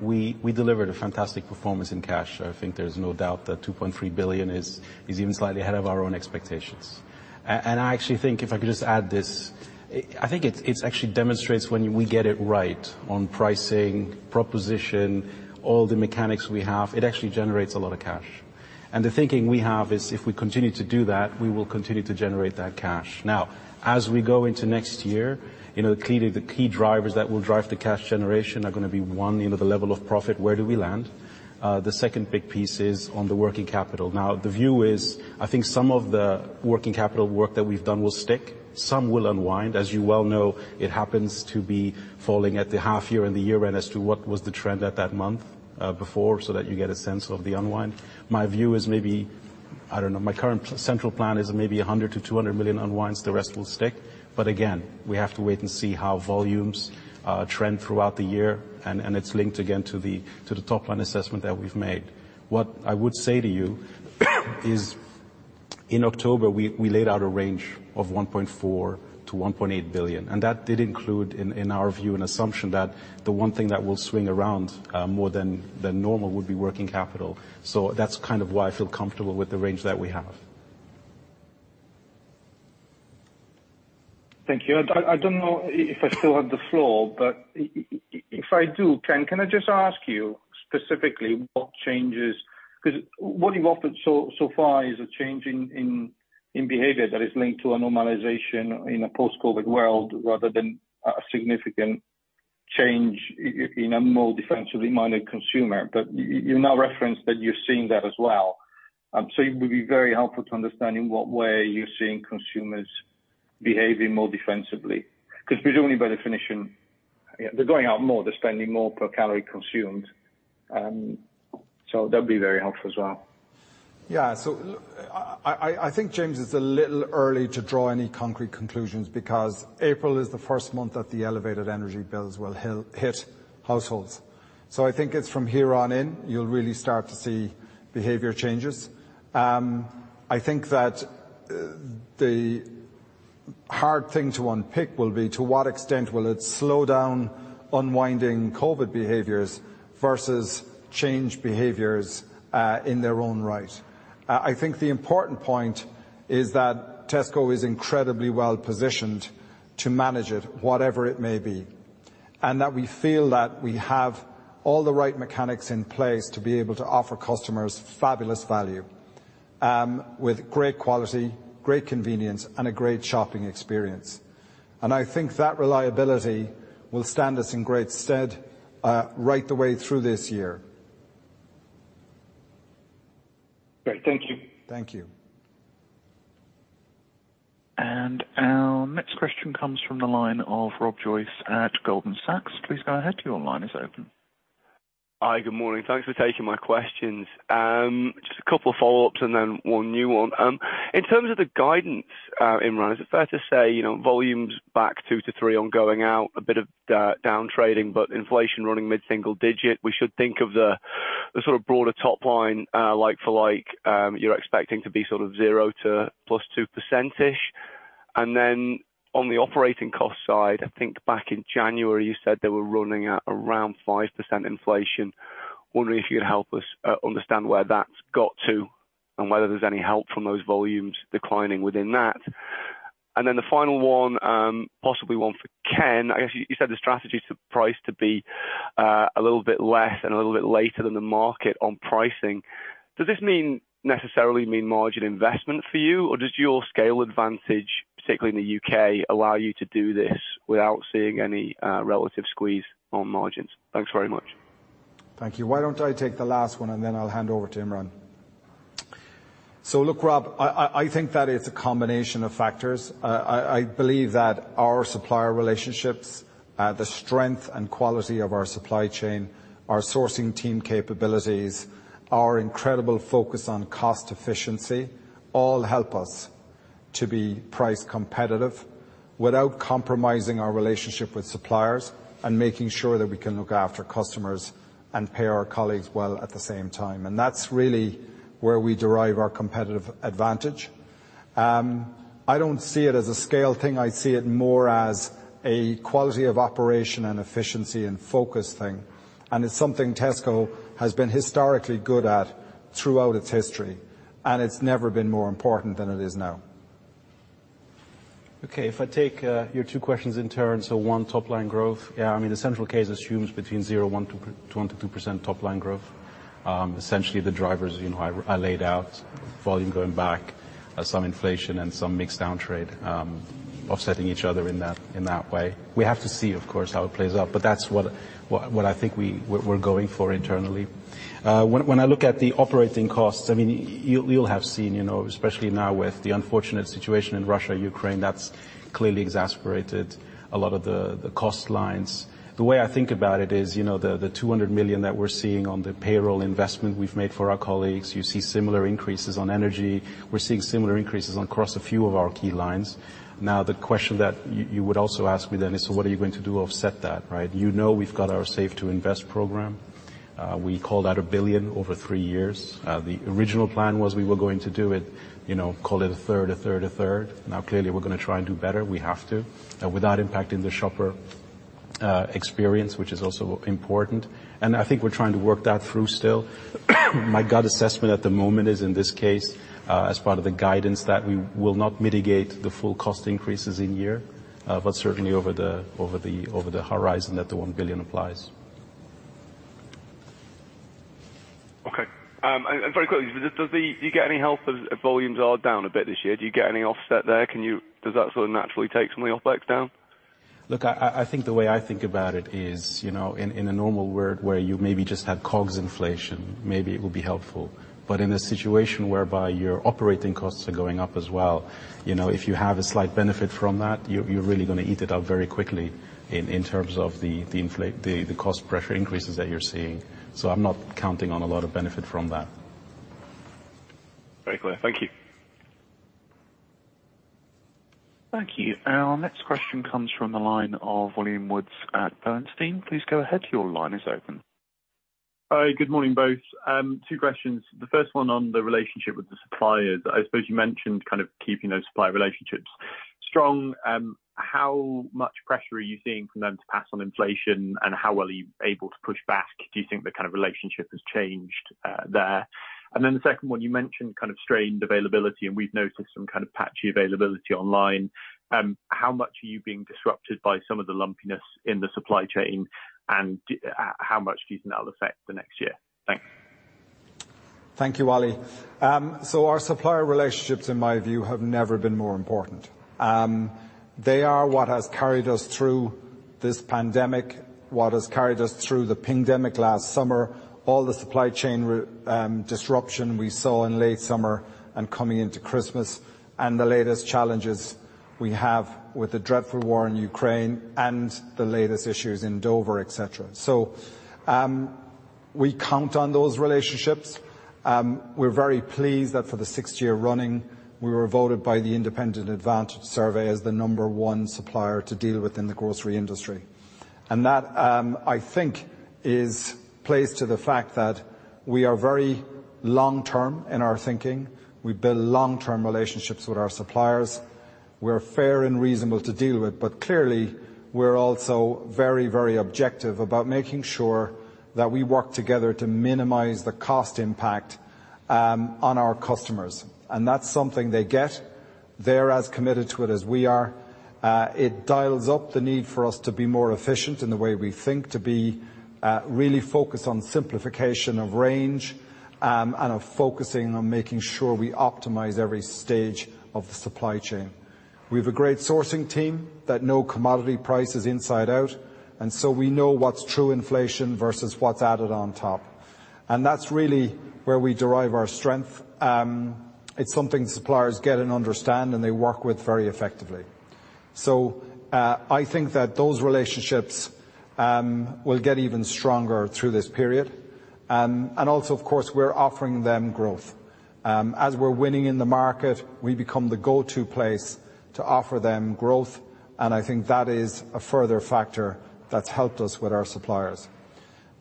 we delivered a fantastic performance in cash. I think there's no doubt that 2.3 billion is even slightly ahead of our own expectations. I actually think if I could just add this, I think it's actually demonstrates when we get it right on pricing, proposition, all the mechanics we have, it actually generates a lot of cash. The thinking we have is if we continue to do that, we will continue to generate that cash. Now, as we go into next year, you know, clearly the key drivers that will drive the cash generation are gonna be, one, you know, the level of profit, where do we land? The second big piece is on the working capital. Now, the view is, I think some of the working capital work that we've done will stick, some will unwind. As you well know, it happens to be falling at the half year and the year end as to what was the trend at that month, before, so that you get a sense of the unwind. My view is maybe, I don't know, my current central plan is maybe 100 million-200 million unwinds, the rest will stick. Again, we have to wait and see how volumes trend throughout the year, and it's linked again to the top line assessment that we've made. What I would say to you is in October, we laid out a range of 1.4 billion-1.8 billion, and that did include, in our view, an assumption that the one thing that will swing around, more than normal would be working capital. So that's kind of why I feel comfortable with the range that we have. Thank you. I don't know if I still have the floor, but if I do, Ken, can I just ask you specifically what changes? Because what you've offered so far is a change in behavior that is linked to a normalization in a post-COVID world rather than a significant change in a more defensively minded consumer. You now referenced that you're seeing that as well. It would be very helpful to understanding what way you're seeing consumers behaving more defensively. 'Cause presumably by definition, they're going out more, they're spending more per calorie consumed. That'd be very helpful as well. Yeah. I think, James, it's a little early to draw any concrete conclusions because April is the first month that the elevated energy bills will hit households. I think it's from here on in, you'll really start to see behavior changes. I think that the hard thing to unpick will be to what extent will it slow down unwinding COVID behaviors versus change behaviors in their own right. I think the important point is that Tesco is incredibly well positioned to manage it, whatever it may be, and that we feel that we have all the right mechanics in place to be able to offer customers fabulous value with great quality, great convenience, and a great shopping experience. I think that reliability will stand us in great stead right the way through this year. Great. Thank you. Thank you. Our next question comes from the line of Robert Joyce at Goldman Sachs. Please go ahead. Your line is open. Hi, good morning. Thanks for taking my questions. Just a couple follow-ups and then one new one. In terms of the guidance, Imran, is it fair to say, you know, volumes back two to three on going out, a bit of downtrading, but inflation running mid-single digit. We should think of the sort of broader top line, like-for-like, you're expecting to be sort of 0% to +2%-ish. Then on the operating cost side, I think back in January, you said they were running at around 5% inflation. Wondering if you could help us understand where that's got to and whether there's any help from those volumes declining within that. Then the final one, possibly one for Ken. I guess you said the strategy is to price to be a little bit less and a little bit later than the market on pricing. Does this necessarily mean margin investment for you, or does your scale advantage, particularly in the U.K., allow you to do this without seeing any relative squeeze on margins? Thanks very much. Thank you. Why don't I take the last one, and then I'll hand over to Imran. Look, Rob, I think that it's a combination of factors. I believe that our supplier relationships, the strength and quality of our supply chain, our sourcing team capabilities, our incredible focus on cost efficiency, all help us to be price competitive without compromising our relationship with suppliers and making sure that we can look after customers and pay our colleagues well at the same time. And that's really where we derive our competitive advantage. I don't see it as a scale thing. I see it more as a quality of operation and efficiency and focus thing. And it's something Tesco has been historically good at throughout its history, and it's never been more important than it is now. Okay. If I take your two questions in turn, so one, top line growth. Yeah, I mean, the central case assumes between 0.1%-2% top line growth. Essentially the drivers, you know, I laid out volume going back, some inflation and some mix downtrade, offsetting each other in that way. We have to see, of course, how it plays out, but that's what I think we're going for internally. When I look at the operating costs, I mean, you'll have seen, you know, especially now with the unfortunate situation in Russia, Ukraine, that's clearly exacerbated a lot of the cost lines. The way I think about it is, you know, the 200 million that we're seeing on the payroll investment we've made for our colleagues, you see similar increases on energy. We're seeing similar increases across a few of our key lines. Now, the question that you would also ask me then is, so what are you going to do to offset that, right? You know we've got our Save to Invest program. We called out 1 billion over three years. The original plan was we were going to do it, you know, call it a third, a third, a third. Now, clearly, we're gonna try and do better. We have to. Without impacting the shopper. Experience, which is also important. I think we're trying to work that through still. My gut assessment at the moment is in this case, as part of the guidance that we will not mitigate the full cost increases in year, but certainly over the horizon that the 1 billion applies. Okay. Very quickly, do you get any help as volumes are down a bit this year? Do you get any offset there? Does that sort of naturally take some of the OpEx down? Look, I think the way I think about it is, you know, in a normal world where you maybe just had COGS inflation, maybe it would be helpful. In a situation whereby your operating costs are going up as well, you know, if you have a slight benefit from that, you're really gonna eat it up very quickly in terms of the cost pressure increases that you're seeing. I'm not counting on a lot of benefit from that. Very clear. Thank you. Thank you. Our next question comes from the line of William Woods at Bernstein. Please go ahead. Your line is open. Hi. Good morning, both. Two questions. The first one on the relationship with the suppliers. I suppose you mentioned kind of keeping those supplier relationships strong. How much pressure are you seeing from them to pass on inflation, and how well are you able to push back? Do you think the kind of relationship has changed there? And then the second one, you mentioned kind of strained availability, and we've noticed some kind of patchy availability online. How much are you being disrupted by some of the lumpiness in the supply chain, and how much do you think that'll affect the next year? Thanks. Thank you, Willie. Our supplier relationships, in my view, have never been more important. They are what has carried us through this pandemic, what has carried us through the pandemic last summer, all the supply chain disruption we saw in late summer and coming into Christmas, and the latest challenges we have with the dreadful war in Ukraine and the latest issues in Dover, et cetera. We count on those relationships. We're very pleased that for the sixth year running, we were voted by the Independent Advantage Survey as the number one supplier to deal with in the grocery industry. That, I think is testament to the fact that we are very long-term in our thinking. We build long-term relationships with our suppliers. We're fair and reasonable to deal with. Clearly, we're also very, very objective about making sure that we work together to minimize the cost impact on our customers. That's something they get. They're as committed to it as we are. It dials up the need for us to be more efficient in the way we think, to be really focused on simplification of range and of focusing on making sure we optimize every stage of the supply chain. We've a great sourcing team that know commodity prices inside out, and so we know what's true inflation versus what's added on top. That's really where we derive our strength. It's something suppliers get and understand, and they work with very effectively. I think that those relationships will get even stronger through this period. Also, of course, we're offering them growth. As we're winning in the market, we become the go-to place to offer them growth, and I think that is a further factor that's helped us with our suppliers.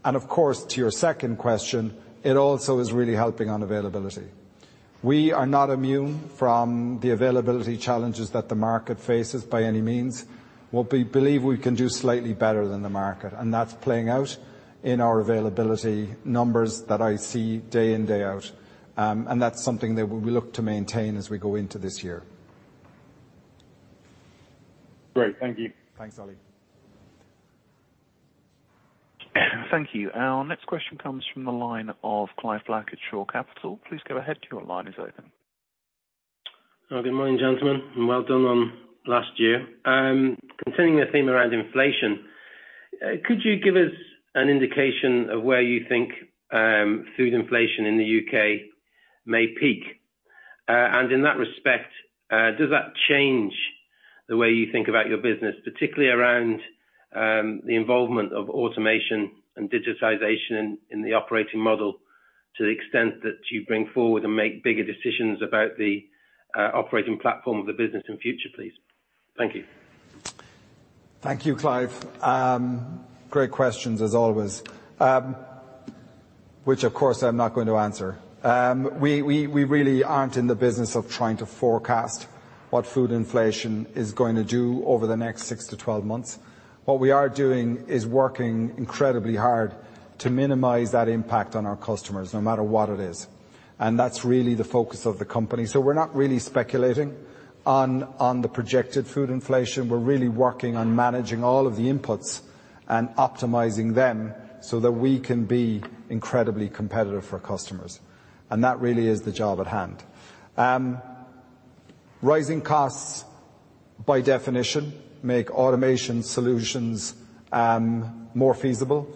Of course, to your second question, it also is really helping on availability. We are not immune from the availability challenges that the market faces by any means. What we believe we can do slightly better than the market, and that's playing out in our availability numbers that I see day in, day out. That's something that we look to maintain as we go into this year. Great. Thank you. Thanks, Willie. Thank you. Our next question comes from the line of Clive Black at Shore Capital. Please go ahead. Your line is open. Oh, good morning, gentlemen, and well done on last year. Continuing the theme around inflation, could you give us an indication of where you think food inflation in the U.K. may peak? In that respect, does that change the way you think about your business, particularly around the involvement of automation and digitization in the operating model to the extent that you bring forward and make bigger decisions about the operating platform of the business in future, please? Thank you. Thank you, Clive. Great questions as always. Which of course I'm not going to answer. We really aren't in the business of trying to forecast what food inflation is going to do over the next six to 12 months. What we are doing is working incredibly hard to minimize that impact on our customers no matter what it is, and that's really the focus of the company. We're not really speculating on the projected food inflation. We're really working on managing all of the inputs and optimizing them so that we can be incredibly competitive for customers. That really is the job at hand. Rising costs by definition make automation solutions more feasible,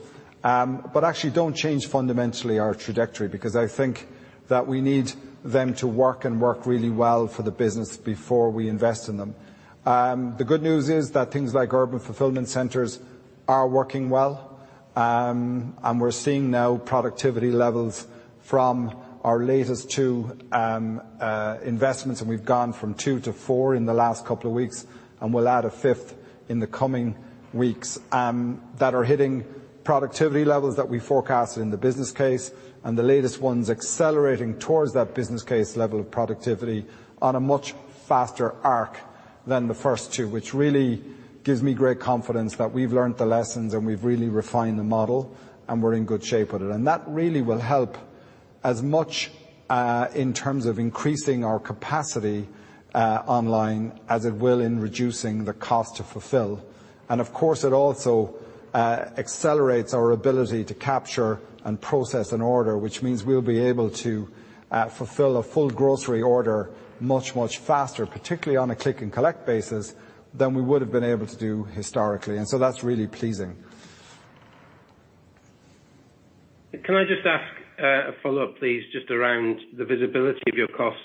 but actually don't change fundamentally our trajectory, because I think that we need them to work and work really well for the business before we invest in them. The good news is that things like urban fulfillment centers are working well. We're seeing now productivity levels from our latest two investments, and we've gone from two to four in the last couple of weeks and we'll add a fifth in the coming weeks that are hitting productivity levels that we forecasted in the business case and the latest ones accelerating towards that business case level of productivity on a much faster arc than the first two, which really gives me great confidence that we've learned the lessons and we've really refined the model, and we're in good shape with it. That really will help as much in terms of increasing our capacity online as it will in reducing the cost to fulfill. Of course, it also accelerates our ability to capture and process an order, which means we'll be able to fulfill a full grocery order much, much faster, particularly on a Click and Collect basis than we would have been able to do historically. That's really pleasing. Can I just ask a follow-up, please, just around the visibility of your costs?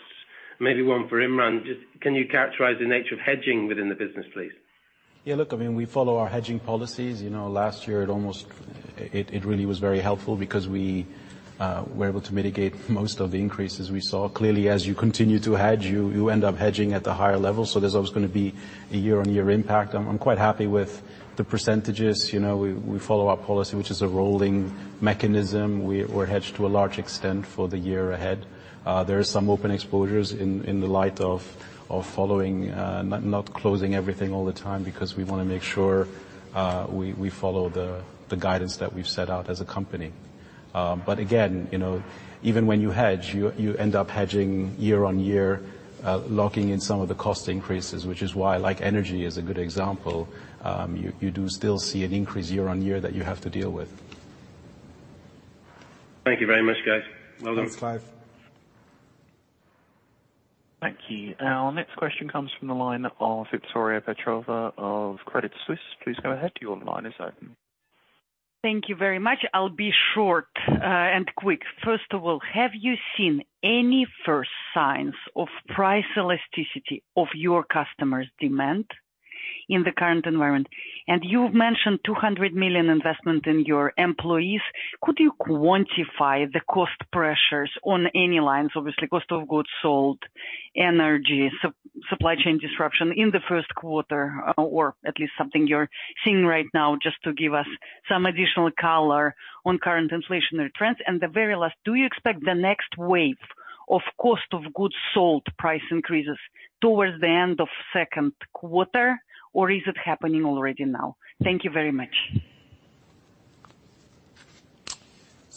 Maybe one for Imran. Just can you characterize the nature of hedging within the business, please? Yeah, look, I mean, we follow our hedging policies. You know, last year it really was very helpful because we were able to mitigate most of the increases we saw. Clearly, as you continue to hedge, you end up hedging at the higher level. There's always gonna be a year-on-year impact. I'm quite happy with the percentages. You know, we follow our policy, which is a rolling mechanism. We're hedged to a large extent for the year ahead. There is some open exposures in the light of following not closing everything all the time because we wanna make sure we follow the guidance that we've set out as a company. Again, you know, even when you hedge, you end up hedging year on year, locking in some of the cost increases, which is why, like, energy is a good example. You do still see an increase year on year that you have to deal with. Thank you very much, guys. Well done. Thanks, Clive. Thank you. Our next question comes from the line of Victoria Petrova of Credit Suisse. Please go ahead. Your line is open. Thank you very much. I'll be short and quick. First of all, have you seen any first signs of price elasticity of your customers' demand in the current environment? You've mentioned 200 million investment in your employees. Could you quantify the cost pressures on any lines, obviously cost of goods sold, energy, supply chain disruption in the first quarter, or at least something you're seeing right now, just to give us some additional color on current inflationary trends? The very last, do you expect the next wave of cost of goods sold price increases towards the end of second quarter, or is it happening already now? Thank you very much.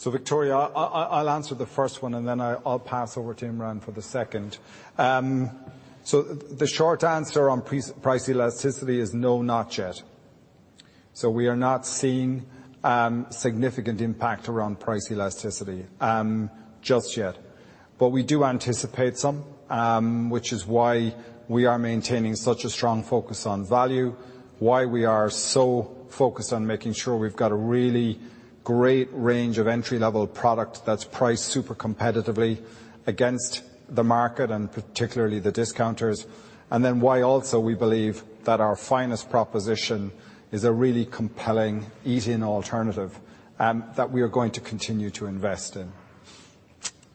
Victoria, I'll answer the first one, and then I'll pass over to Imran for the second. The short answer on price elasticity is no, not yet. We are not seeing significant impact around price elasticity just yet. But we do anticipate some, which is why we are maintaining such a strong focus on value, why we are so focused on making sure we've got a really great range of entry-level product that's priced super competitively against the market and particularly the discounters. Why also we believe that our Finest proposition is a really compelling eat-in alternative that we are going to continue to invest in.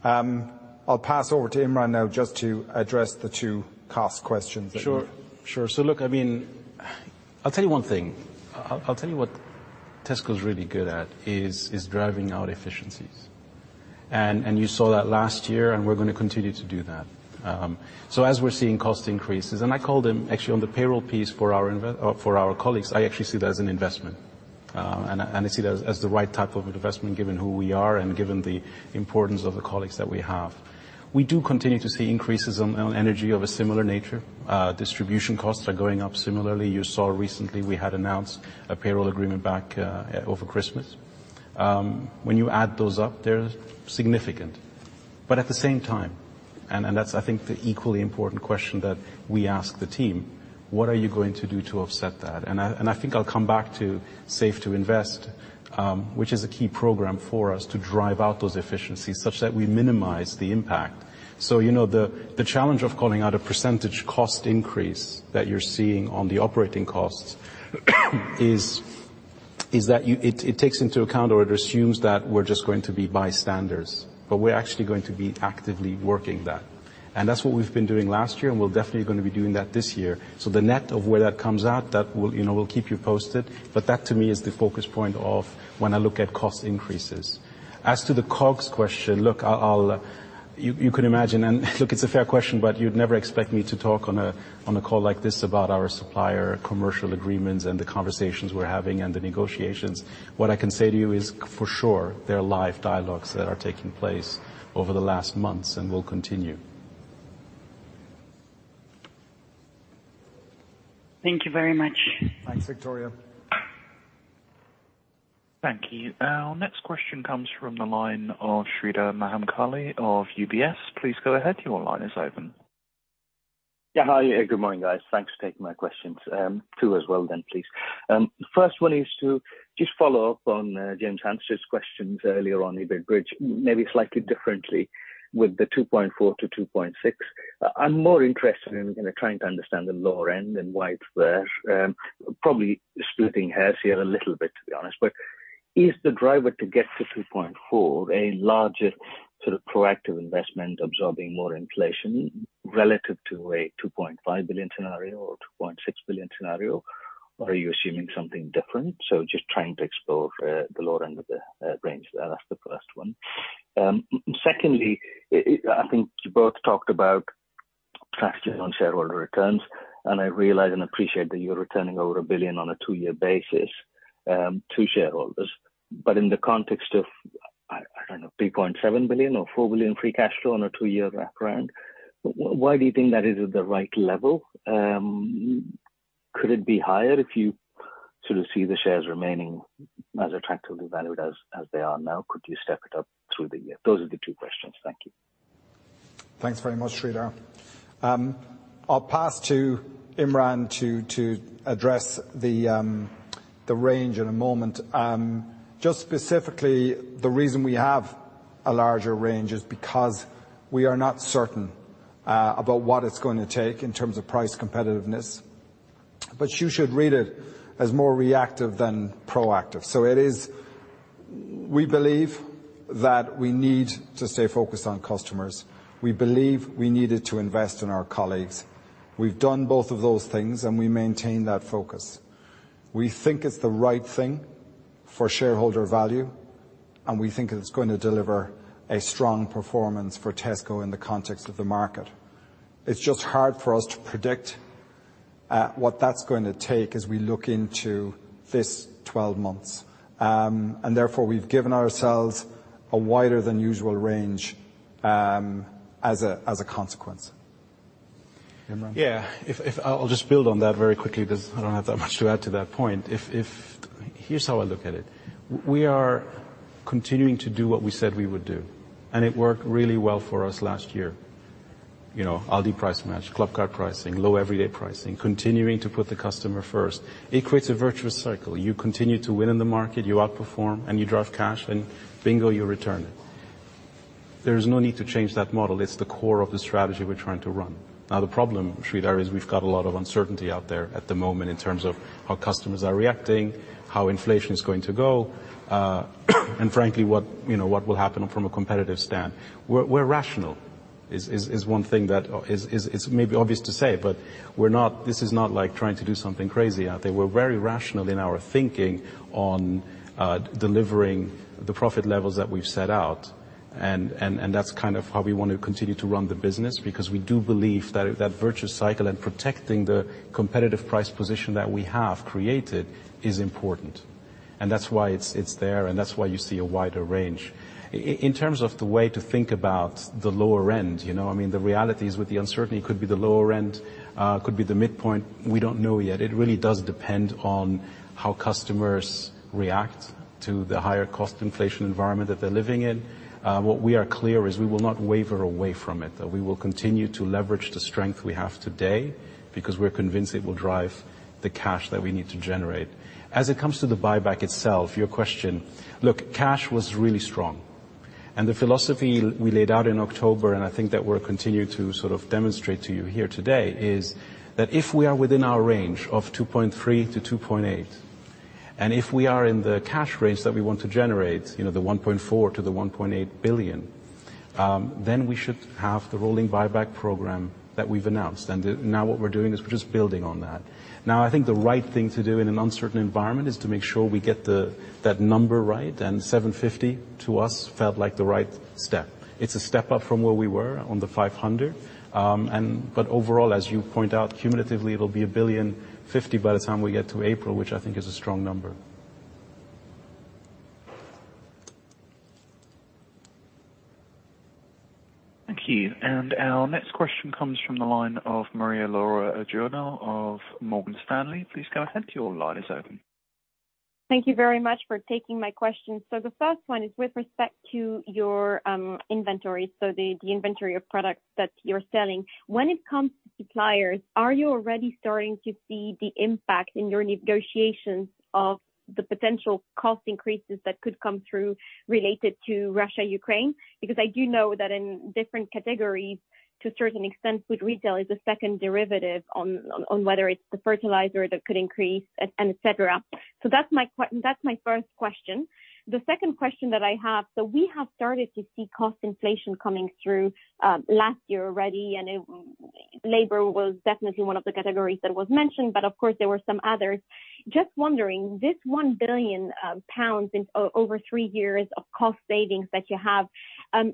I'll pass over to Imran now just to address the two cost questions that you. Sure. Look, I mean, I'll tell you one thing. I'll tell you what Tesco is really good at is driving out efficiencies. You saw that last year, and we're gonna continue to do that. As we're seeing cost increases, and I called them actually on the payroll piece for our colleagues, I actually see that as an investment. I see that as the right type of investment, given who we are and given the importance of the colleagues that we have. We do continue to see increases on energy of a similar nature. Distribution costs are going up similarly. You saw recently we had announced a payroll agreement back over Christmas. When you add those up, they're significant. At the same time, and that's, I think, the equally important question that we ask the team, what are you going to do to offset that? I think I'll come back to Save to Invest, which is a key program for us to drive out those efficiencies such that we minimize the impact. You know, the challenge of calling out a percentage cost increase that you're seeing on the operating costs is that it takes into account or it assumes that we're just going to be bystanders, but we're actually going to be actively working that. That's what we've been doing last year, and we're definitely gonna be doing that this year. The net of where that comes out, that we'll, you know, we'll keep you posted, but that to me is the focus point of when I look at cost increases. As to the COGS question, look, I'll. You can imagine. Look, it's a fair question, but you'd never expect me to talk on a, on a call like this about our supplier commercial agreements and the conversations we're having and the negotiations. What I can say to you is for sure there are live dialogues that are taking place over the last months and will continue. Thank you very much. Thanks, Victoria. Thank you. Our next question comes from the line of Sreedhar Mahamkali of UBS. Please go ahead. Your line is open. Hi. Good morning, guys. Thanks for taking my questions. Two as well then, please. First one is to just follow up on James Anstead's questions earlier on EBITDA bridge, maybe slightly differently with the 2.4-2.6. I'm more interested in, you know, trying to understand the lower end and why it's there. Probably splitting hairs here a little bit, to be honest. Is the driver to get to 2.4 a larger sort of proactive investment absorbing more inflation relative to a 2.5 billion scenario or a 2.6 billion scenario? Are you assuming something different? Just trying to explore the lower end of the range there. That's the first one. Secondly, I think you both talked about tracking on shareholder returns, and I realize and appreciate that you're returning over 1 billion on a two-year basis to shareholders. In the context of, I don't know, 3.7 billion or 4 billion free cash flow on a two-year background, why do you think that is at the right level? Could it be higher if you sort of see the shares remaining as attractively valued as they are now? Could you step it up through the year? Those are the two questions. Thank you. Thanks very much, Sreedhar. I'll pass to Imran to address the range in a moment. Just specifically, the reason we have a larger range is because we are not certain about what it's gonna take in terms of price competitiveness. You should read it as more reactive than proactive. It is. We believe that we need to stay focused on customers. We believe we needed to invest in our colleagues. We've done both of those things, and we maintain that focus. We think it's the right thing for shareholder value, and we think it's gonna deliver a strong performance for Tesco in the context of the market. It's just hard for us to predict what that's going to take as we look into this 12 months. Therefore, we've given ourselves a wider than usual range, as a consequence. Imran? I'll just build on that very quickly because I don't have that much to add to that point. Here's how I look at it. We are continuing to do what we said we would do, and it worked really well for us last year. You know, Aldi Price Match, Clubcard pricing, Low Everyday Pricing, continuing to put the customer first. It creates a virtuous cycle. You continue to win in the market, you outperform and you drive cash, and bingo, you return it. There is no need to change that model. It's the core of the strategy we're trying to run. Now, the problem, Sreedhar, is we've got a lot of uncertainty out there at the moment in terms of how customers are reacting, how inflation is going to go, and frankly, you know, what will happen from a competitive stand. Being rational is one thing that is maybe obvious to say, but we're not. This is not like trying to do something crazy out there. We're very rational in our thinking on delivering the profit levels that we've set out, and that's kind of how we want to continue to run the business, because we do believe that virtuous cycle and protecting the competitive price position that we have created is important. That's why it's there, and that's why you see a wider range. In terms of the way to think about the lower end, you know, I mean, the reality is with the uncertainty, it could be the lower end could be the midpoint. We don't know yet. It really does depend on how customers react to the higher cost inflation environment that they're living in. What we are clear is we will not waver from it, that we will continue to leverage the strength we have today because we're convinced it will drive the cash that we need to generate. As it comes to the buyback itself, your question, look, cash was really strong. The philosophy we laid out in October, and I think that we'll continue to sort of demonstrate to you here today is that if we are within our range of 2.3 billion-2.8 billion, and if we are in the cash range that we want to generate, you know, 1.4 billion to the 1.8 billion, then we should have the rolling buyback program that we've announced. Now what we're doing is we're just building on that. Now, I think the right thing to do in an uncertain environment is to make sure we get that number right, and 750 million to us felt like the right step. It's a step up from where we were on the 500 million. But overall, as you point out, cumulatively, it'll be 1,050 million by the time we get to April, which I think is a strong number. Thank you. Our next question comes from the line of Maria-Laura Adurno of Morgan Stanley. Please go ahead. Your line is open. Thank you very much for taking my question. The first one is with respect to your inventory, the inventory of products that you're selling. When it comes to suppliers, are you already starting to see the impact in your negotiations of the potential cost increases that could come through related to Russia, Ukraine? Because I do know that in different categories, to a certain extent, food retail is a second derivative on whether it's the fertilizer that could increase and et cetera. That's my first question. The second question that I have, we have started to see cost inflation coming through last year already, and it labor was definitely one of the categories that was mentioned, but of course, there were some others. Just wondering, this 1 billion pounds over three years of cost savings that you have,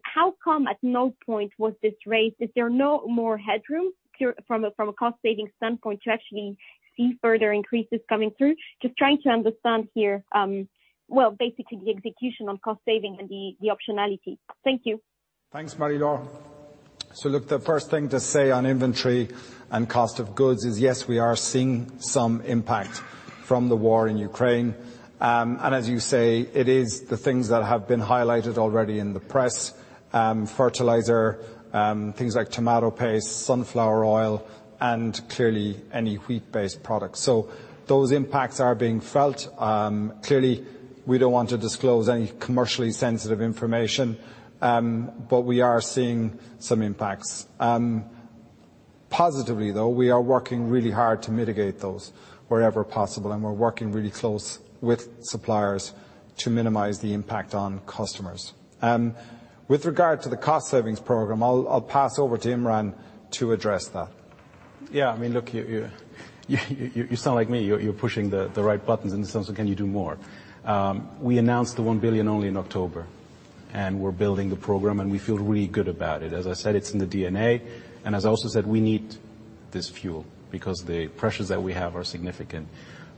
how come at no point was this raised? Is there no more headroom here from a cost savings standpoint to actually see further increases coming through? Just trying to understand here, well, basically the execution on cost saving and the optionality. Thank you. Thanks, Maria Laura. Look, the first thing to say on inventory and cost of goods is, yes, we are seeing some impact from the war in Ukraine. As you say, it is the things that have been highlighted already in the press, fertilizer, things like tomato paste, sunflower oil, and clearly any wheat-based products. Those impacts are being felt. Clearly, we don't want to disclose any commercially sensitive information, we are seeing some impacts. Positively, though, we are working really hard to mitigate those wherever possible, and we're working really close with suppliers to minimize the impact on customers. With regard to the cost savings program, I'll pass over to Imran to address that. Yeah. I mean, look, you sound like me. You're pushing the right buttons in the sense of can you do more? We announced the 1 billion only in October, and we're building the program, and we feel really good about it. As I said, it's in the DNA. As I also said, we need this fuel because the pressures that we have are significant.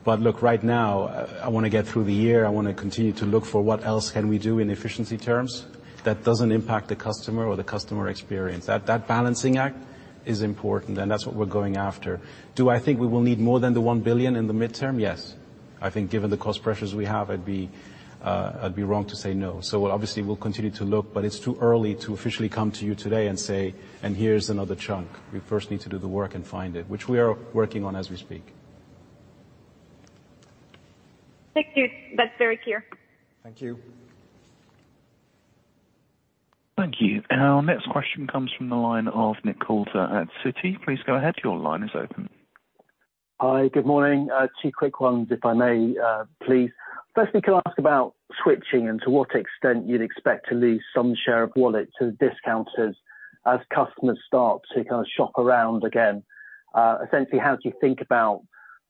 Look, right now I wanna get through the year. I wanna continue to look for what else can we do in efficiency terms that doesn't impact the customer or the customer experience. That balancing act is important, and that's what we're going after. Do I think we will need more than the 1 billion in the medium term? Yes. I think given the cost pressures we have, I'd be wrong to say no. Obviously we'll continue to look, but it's too early to officially come to you today and say, "And here's another chunk." We first need to do the work and find it, which we are working on as we speak. Thank you. That's very clear. Thank you. Thank you. Our next question comes from the line of Nick Coulter at Citi. Please go ahead. Your line is open. Hi. Good morning. Two quick ones if I may, please. Firstly, can I ask about switching and to what extent you'd expect to lose some share of wallet to discounters as customers start to kind of shop around again? Essentially, how do you think about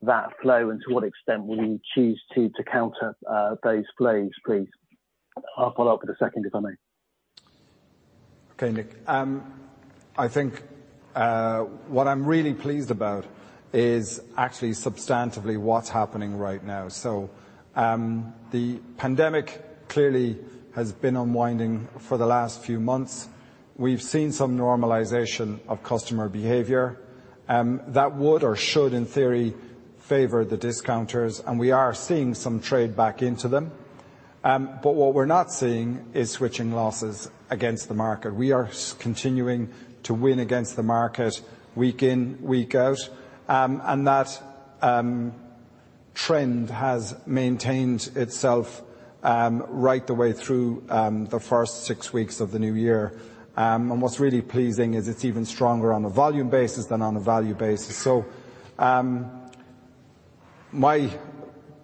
that flow, and to what extent will you choose to counter those flows, please? I'll follow up with the second, if I may. Okay, Nick. I think what I'm really pleased about is actually substantively what's happening right now. The pandemic clearly has been unwinding for the last few months. We've seen some normalization of customer behavior that would or should, in theory, favor the discounters, and we are seeing some trade back into them. But what we're not seeing is switching losses against the market. We are continuing to win against the market week in, week out. That trend has maintained itself right the way through the first six weeks of the new year. What's really pleasing is it's even stronger on a volume basis than on a value basis. My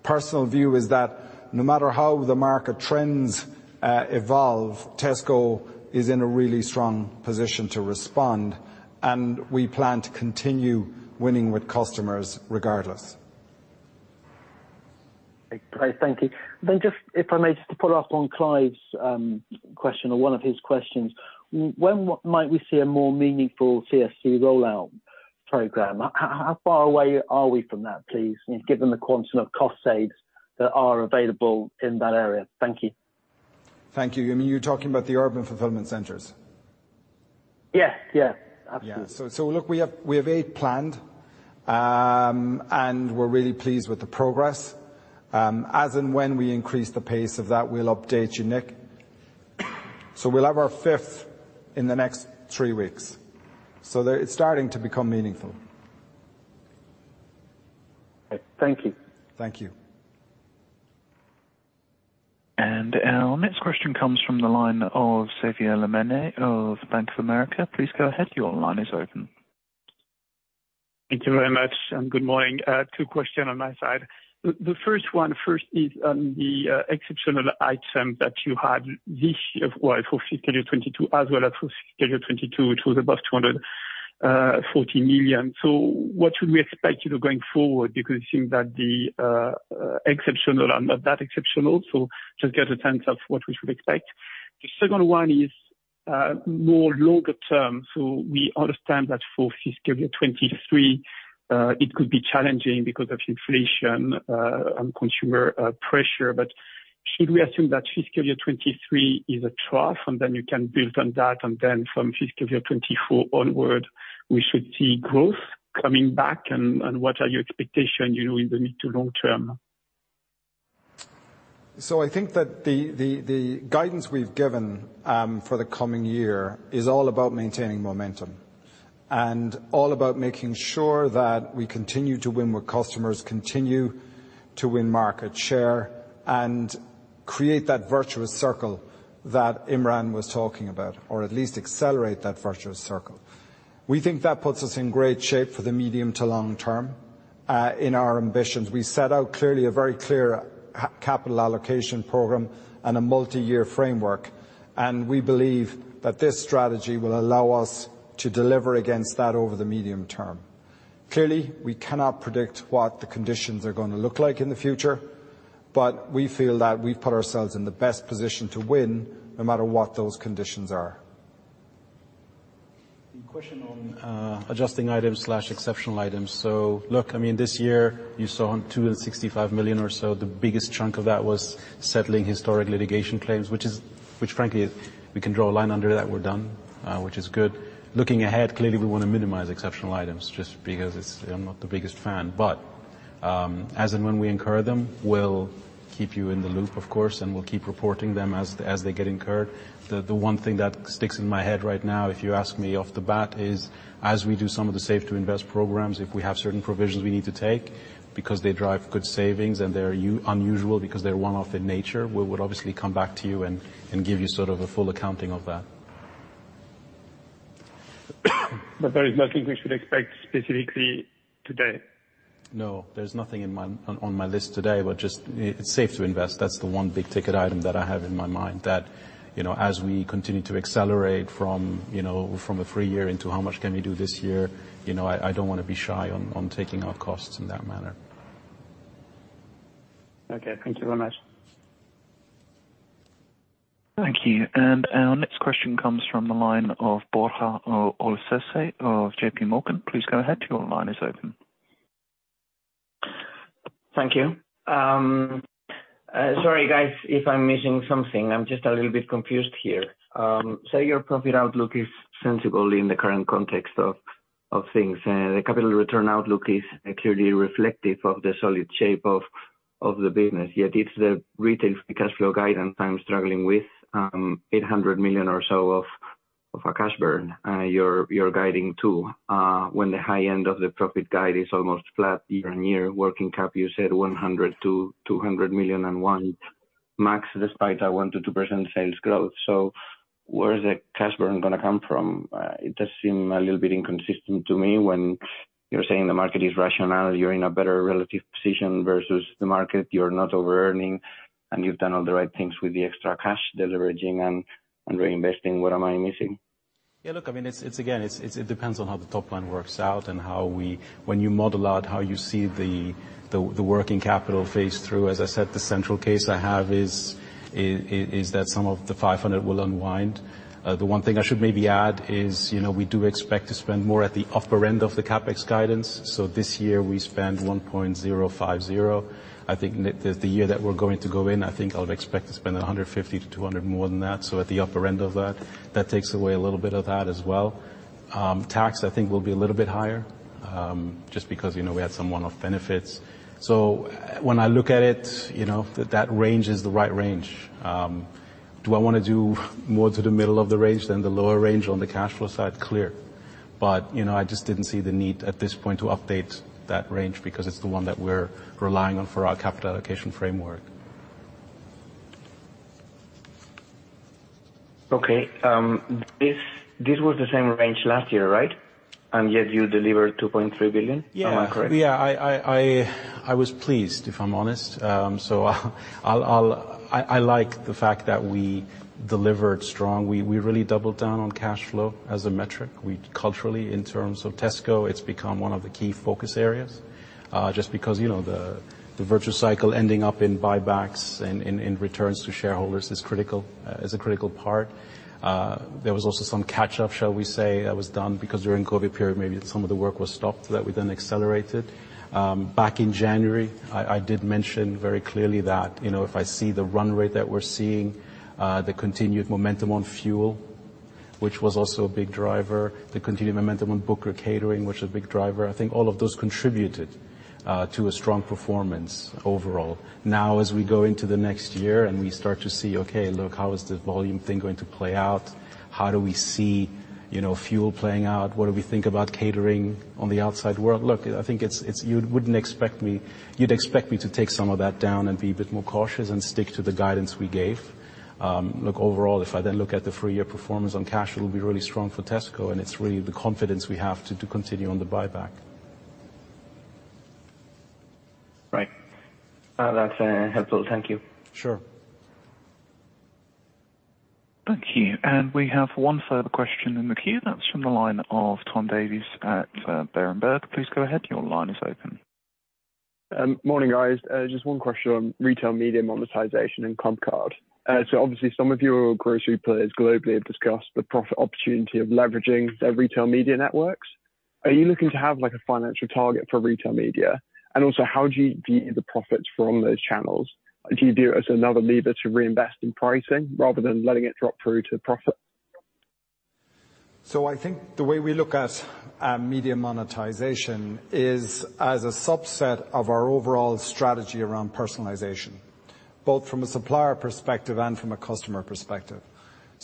personal view is that no matter how the market trends evolve, Tesco is in a really strong position to respond, and we plan to continue winning with customers regardless. Great. Thank you. If I may, just to follow up on Clive's question or one of his questions, when might we see a more meaningful UFC rollout program? How far away are we from that, please, given the quantum of cost savings that are available in that area? Thank you. Thank you. You mean, you're talking about the urban fulfillment centers? Yes. Yes. Absolutely. Yeah. Look, we have eight planned, and we're really pleased with the progress. As and when we increase the pace of that, we'll update you, Nick. We'll have our fifth in the next three weeks. It's starting to become meaningful. Thank you. Thank you. Our next question comes from the line of Xavier Le Mené of Bank of America. Please go ahead. Your line is open. Thank you very much, and good morning. Two questions on my side. The first one first is on the exceptional item that you had this year, well, for fiscal year 2022, which was above 240 million. What should we expect, you know, going forward because it seems that the exceptional are not that exceptional. Just get a sense of what we should expect. The second one is longer term, we understand that for fiscal year 2023 it could be challenging because of inflation and consumer pressure. Should we assume that fiscal year 2023 is a trough, and then you can build on that, and then from fiscal year 2024 onward, we should see growth coming back, and what are your expectation, you know, in the mid to long term? I think that the guidance we've given for the coming year is all about maintaining momentum and all about making sure that we continue to win with customers, continue to win market share, and create that virtuous circle that Imran was talking about, or at least accelerate that virtuous circle. We think that puts us in great shape for the medium to long term in our ambitions. We set out clearly a very clear capital allocation program and a multiyear framework, and we believe that this strategy will allow us to deliver against that over the medium term. Clearly, we cannot predict what the conditions are gonna look like in the future, but we feel that we've put ourselves in the best position to win no matter what those conditions are. The question on adjusting items slash exceptional items. Look, I mean, this year you saw 265 million or so. The biggest chunk of that was settling historic litigation claims, which frankly is, we can draw a line under that. We're done, which is good. Looking ahead, clearly we wanna minimize exceptional items just because it's, I'm not the biggest fan. But, as and when we incur them, we'll keep you in the loop of course, and we'll keep reporting them as they get incurred. The one thing that sticks in my head right now, if you ask me off the bat, is as we do some of the Save to Invest programs, if we have certain provisions we need to take because they drive good savings and they're unusual because they're one-off in nature, we would obviously come back to you and give you sort of a full accounting of that. There is nothing we should expect specifically today? No, there's nothing on my list today. Just, it's Save to Invest. That's the one big ticket item that I have in my mind that, you know, as we continue to accelerate from, you know, from a three year into how much can we do this year, you know, I don't wanna be shy on taking our costs in that manner. Okay. Thank you very much. Thank you. Our next question comes from the line of Borja Olcese of JPMorgan. Please go ahead, your line is open. Thank you. Sorry guys, if I'm missing something. I'm just a little bit confused here. Say your profit outlook is sensibly in the current context of things. The capital return outlook is clearly reflective of the solid shape of the business. Yet it's the retail cash flow guidance I'm struggling with. 800 million or so of our cash burn. You're guiding to when the high end of the profit guide is almost flat year-on-year. Working cap, you said 100 million-200 million and one max, despite our 1%-2% sales growth. Where is the cash burn gonna come from? It does seem a little bit inconsistent to me when you're saying the market is rational, you're in a better relative position versus the market, you're not overearning, and you've done all the right things with the extra cash, deleveraging and reinvesting. What am I missing? Yeah, look, I mean, it depends on how the top line works out. When you model out how you see the working capital plays through. As I said, the central case I have is that some of the 500 will unwind. The one thing I should maybe add is, you know, we do expect to spend more at the upper end of the CapEx guidance. This year we spent 1.050. I think the year that we're going to go in, I think we'll expect to spend 150-200 more than that. At the upper end of that. That takes away a little bit of that as well. Tax, I think will be a little bit higher, just because, you know, we had some one-off benefits. When I look at it, you know, that range is the right range. Do I wanna do more to the middle of the range than the lower range on the cash flow side? Clear. You know, I just didn't see the need at this point to update that range because it's the one that we're relying on for our capital allocation framework. Okay. This was the same range last year, right? Yet you delivered 2.3 billion. Am I correct? Yeah. I was pleased, if I'm honest. I like the fact that we delivered strong. We really doubled down on cash flow as a metric. Culturally, in terms of Tesco, it's become one of the key focus areas, just because, you know, the virtuous cycle ending up in buybacks and returns to shareholders is critical, is a critical part. There was also some catch up, shall we say, that was done because during COVID period, maybe some of the work was stopped that we then accelerated. Back in January, I did mention very clearly that, you know, if I see the run rate that we're seeing, the continued momentum on fuel, which was also a big driver, the continued momentum on Booker Catering, which is a big driver, I think all of those contributed to a strong performance overall. Now as we go into the next year and we start to see, okay, look, how is this volume thing going to play out? How do we see, you know, fuel playing out? What do we think about catering on the outside world? Look, I think you'd expect me to take some of that down and be a bit more cautious and stick to the guidance we gave. Look, overall, if I then look at the three-year performance on cash, it will be really strong for Tesco, and it's really the confidence we have to continue on the buyback. Right. That's helpful. Thank you. Sure. Thank you. We have one further question in the queue. That's from the line of Tom Davies at Berenberg. Please go ahead, your line is open. Morning, guys. Just one question on retail media monetization and Clubcard. Obviously some of your grocery players globally have discussed the profit opportunity of leveraging their retail media networks. Are you looking to have, like, a financial target for retail media? And also, how do you view the profits from those channels? Do you view it as another lever to reinvest in pricing rather than letting it drop through to profit? I think the way we look at media monetization is as a subset of our overall strategy around personalization, both from a supplier perspective and from a customer perspective.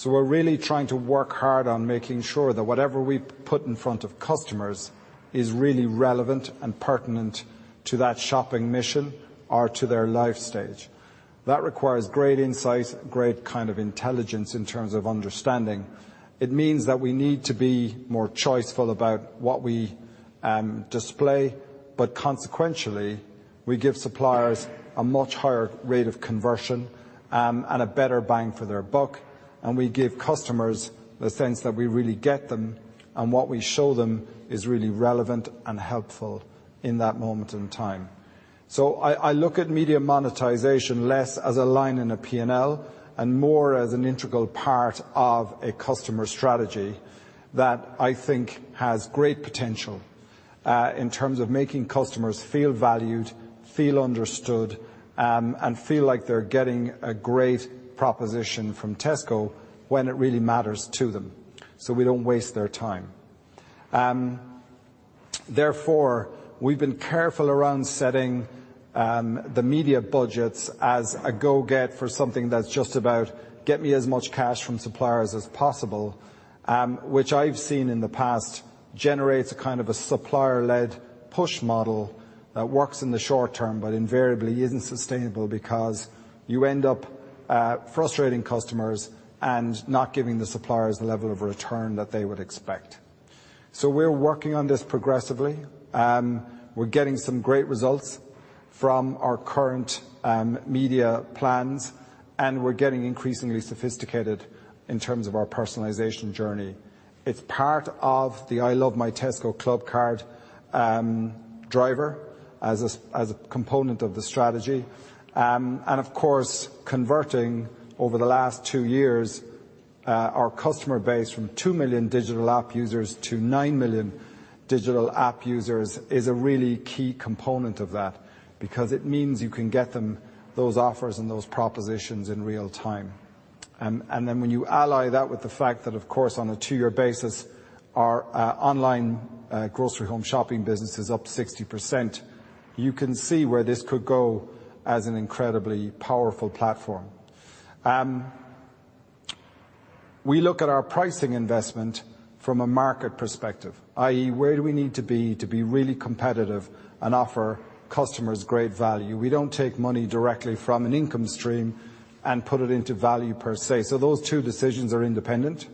We're really trying to work hard on making sure that whatever we put in front of customers is really relevant and pertinent to that shopping mission or to their life stage. That requires great insight, great kind of intelligence in terms of understanding. It means that we need to be more choiceful about what we display, but consequentially, we give suppliers a much higher rate of conversion and a better bang for their buck, and we give customers the sense that we really get them, and what we show them is really relevant and helpful in that moment in time. I look at media monetization less as a line in a P&L and more as an integral part of a customer strategy that I think has great potential in terms of making customers feel valued, feel understood, and feel like they're getting a great proposition from Tesco when it really matters to them. We don't waste their time. Therefore, we've been careful around setting the media budgets as a go-get for something that's just about get me as much cash from suppliers as possible, which I've seen in the past generates a kind of a supplier-led push model that works in the short term, but invariably isn't sustainable because you end up Frustrating customers and not giving the suppliers the level of return that they would expect. We're working on this progressively. We're getting some great results from our current media plans, and we're getting increasingly sophisticated in terms of our personalization journey. It's part of the I Love My Tesco Clubcard driver as a component of the strategy. Of course, converting over the last two years, our customer base from 2 million digital app users to 9 million digital app users is a really key component of that, because it means you can get them those offers and those propositions in real time. When you ally that with the fact that, of course, on a two-year basis, our online grocery and home shopping business is up 60%, you can see where this could go as an incredibly powerful platform. We look at our pricing investment from a market perspective, i.e., where do we need to be to be really competitive and offer customers great value? We don't take money directly from an income stream and put it into value per se. Those two decisions are independent.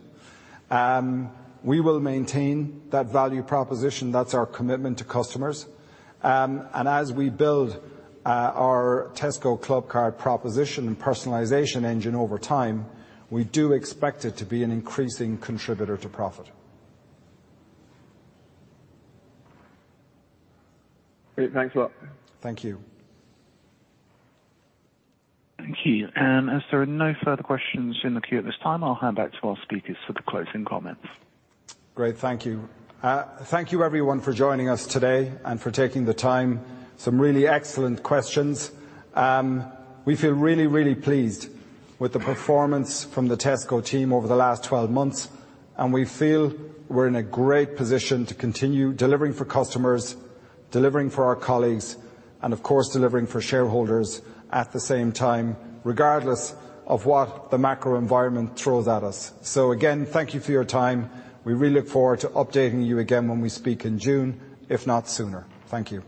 We will maintain that value proposition. That's our commitment to customers. As we build our Tesco Clubcard proposition and personalization engine over time, we do expect it to be an increasing contributor to profit. Great. Thanks a lot. Thank you. Thank you. As there are no further questions in the queue at this time, I'll hand back to our speakers for the closing comments. Great. Thank you. Thank you everyone for joining us today and for taking the time. Some really excellent questions. We feel really, really pleased with the performance from the Tesco team over the last 12 months, and we feel we're in a great position to continue delivering for customers, delivering for our colleagues, and of course, delivering for shareholders at the same time, regardless of what the macro environment throws at us. Again, thank you for your time. We really look forward to updating you again when we speak in June, if not sooner. Thank you.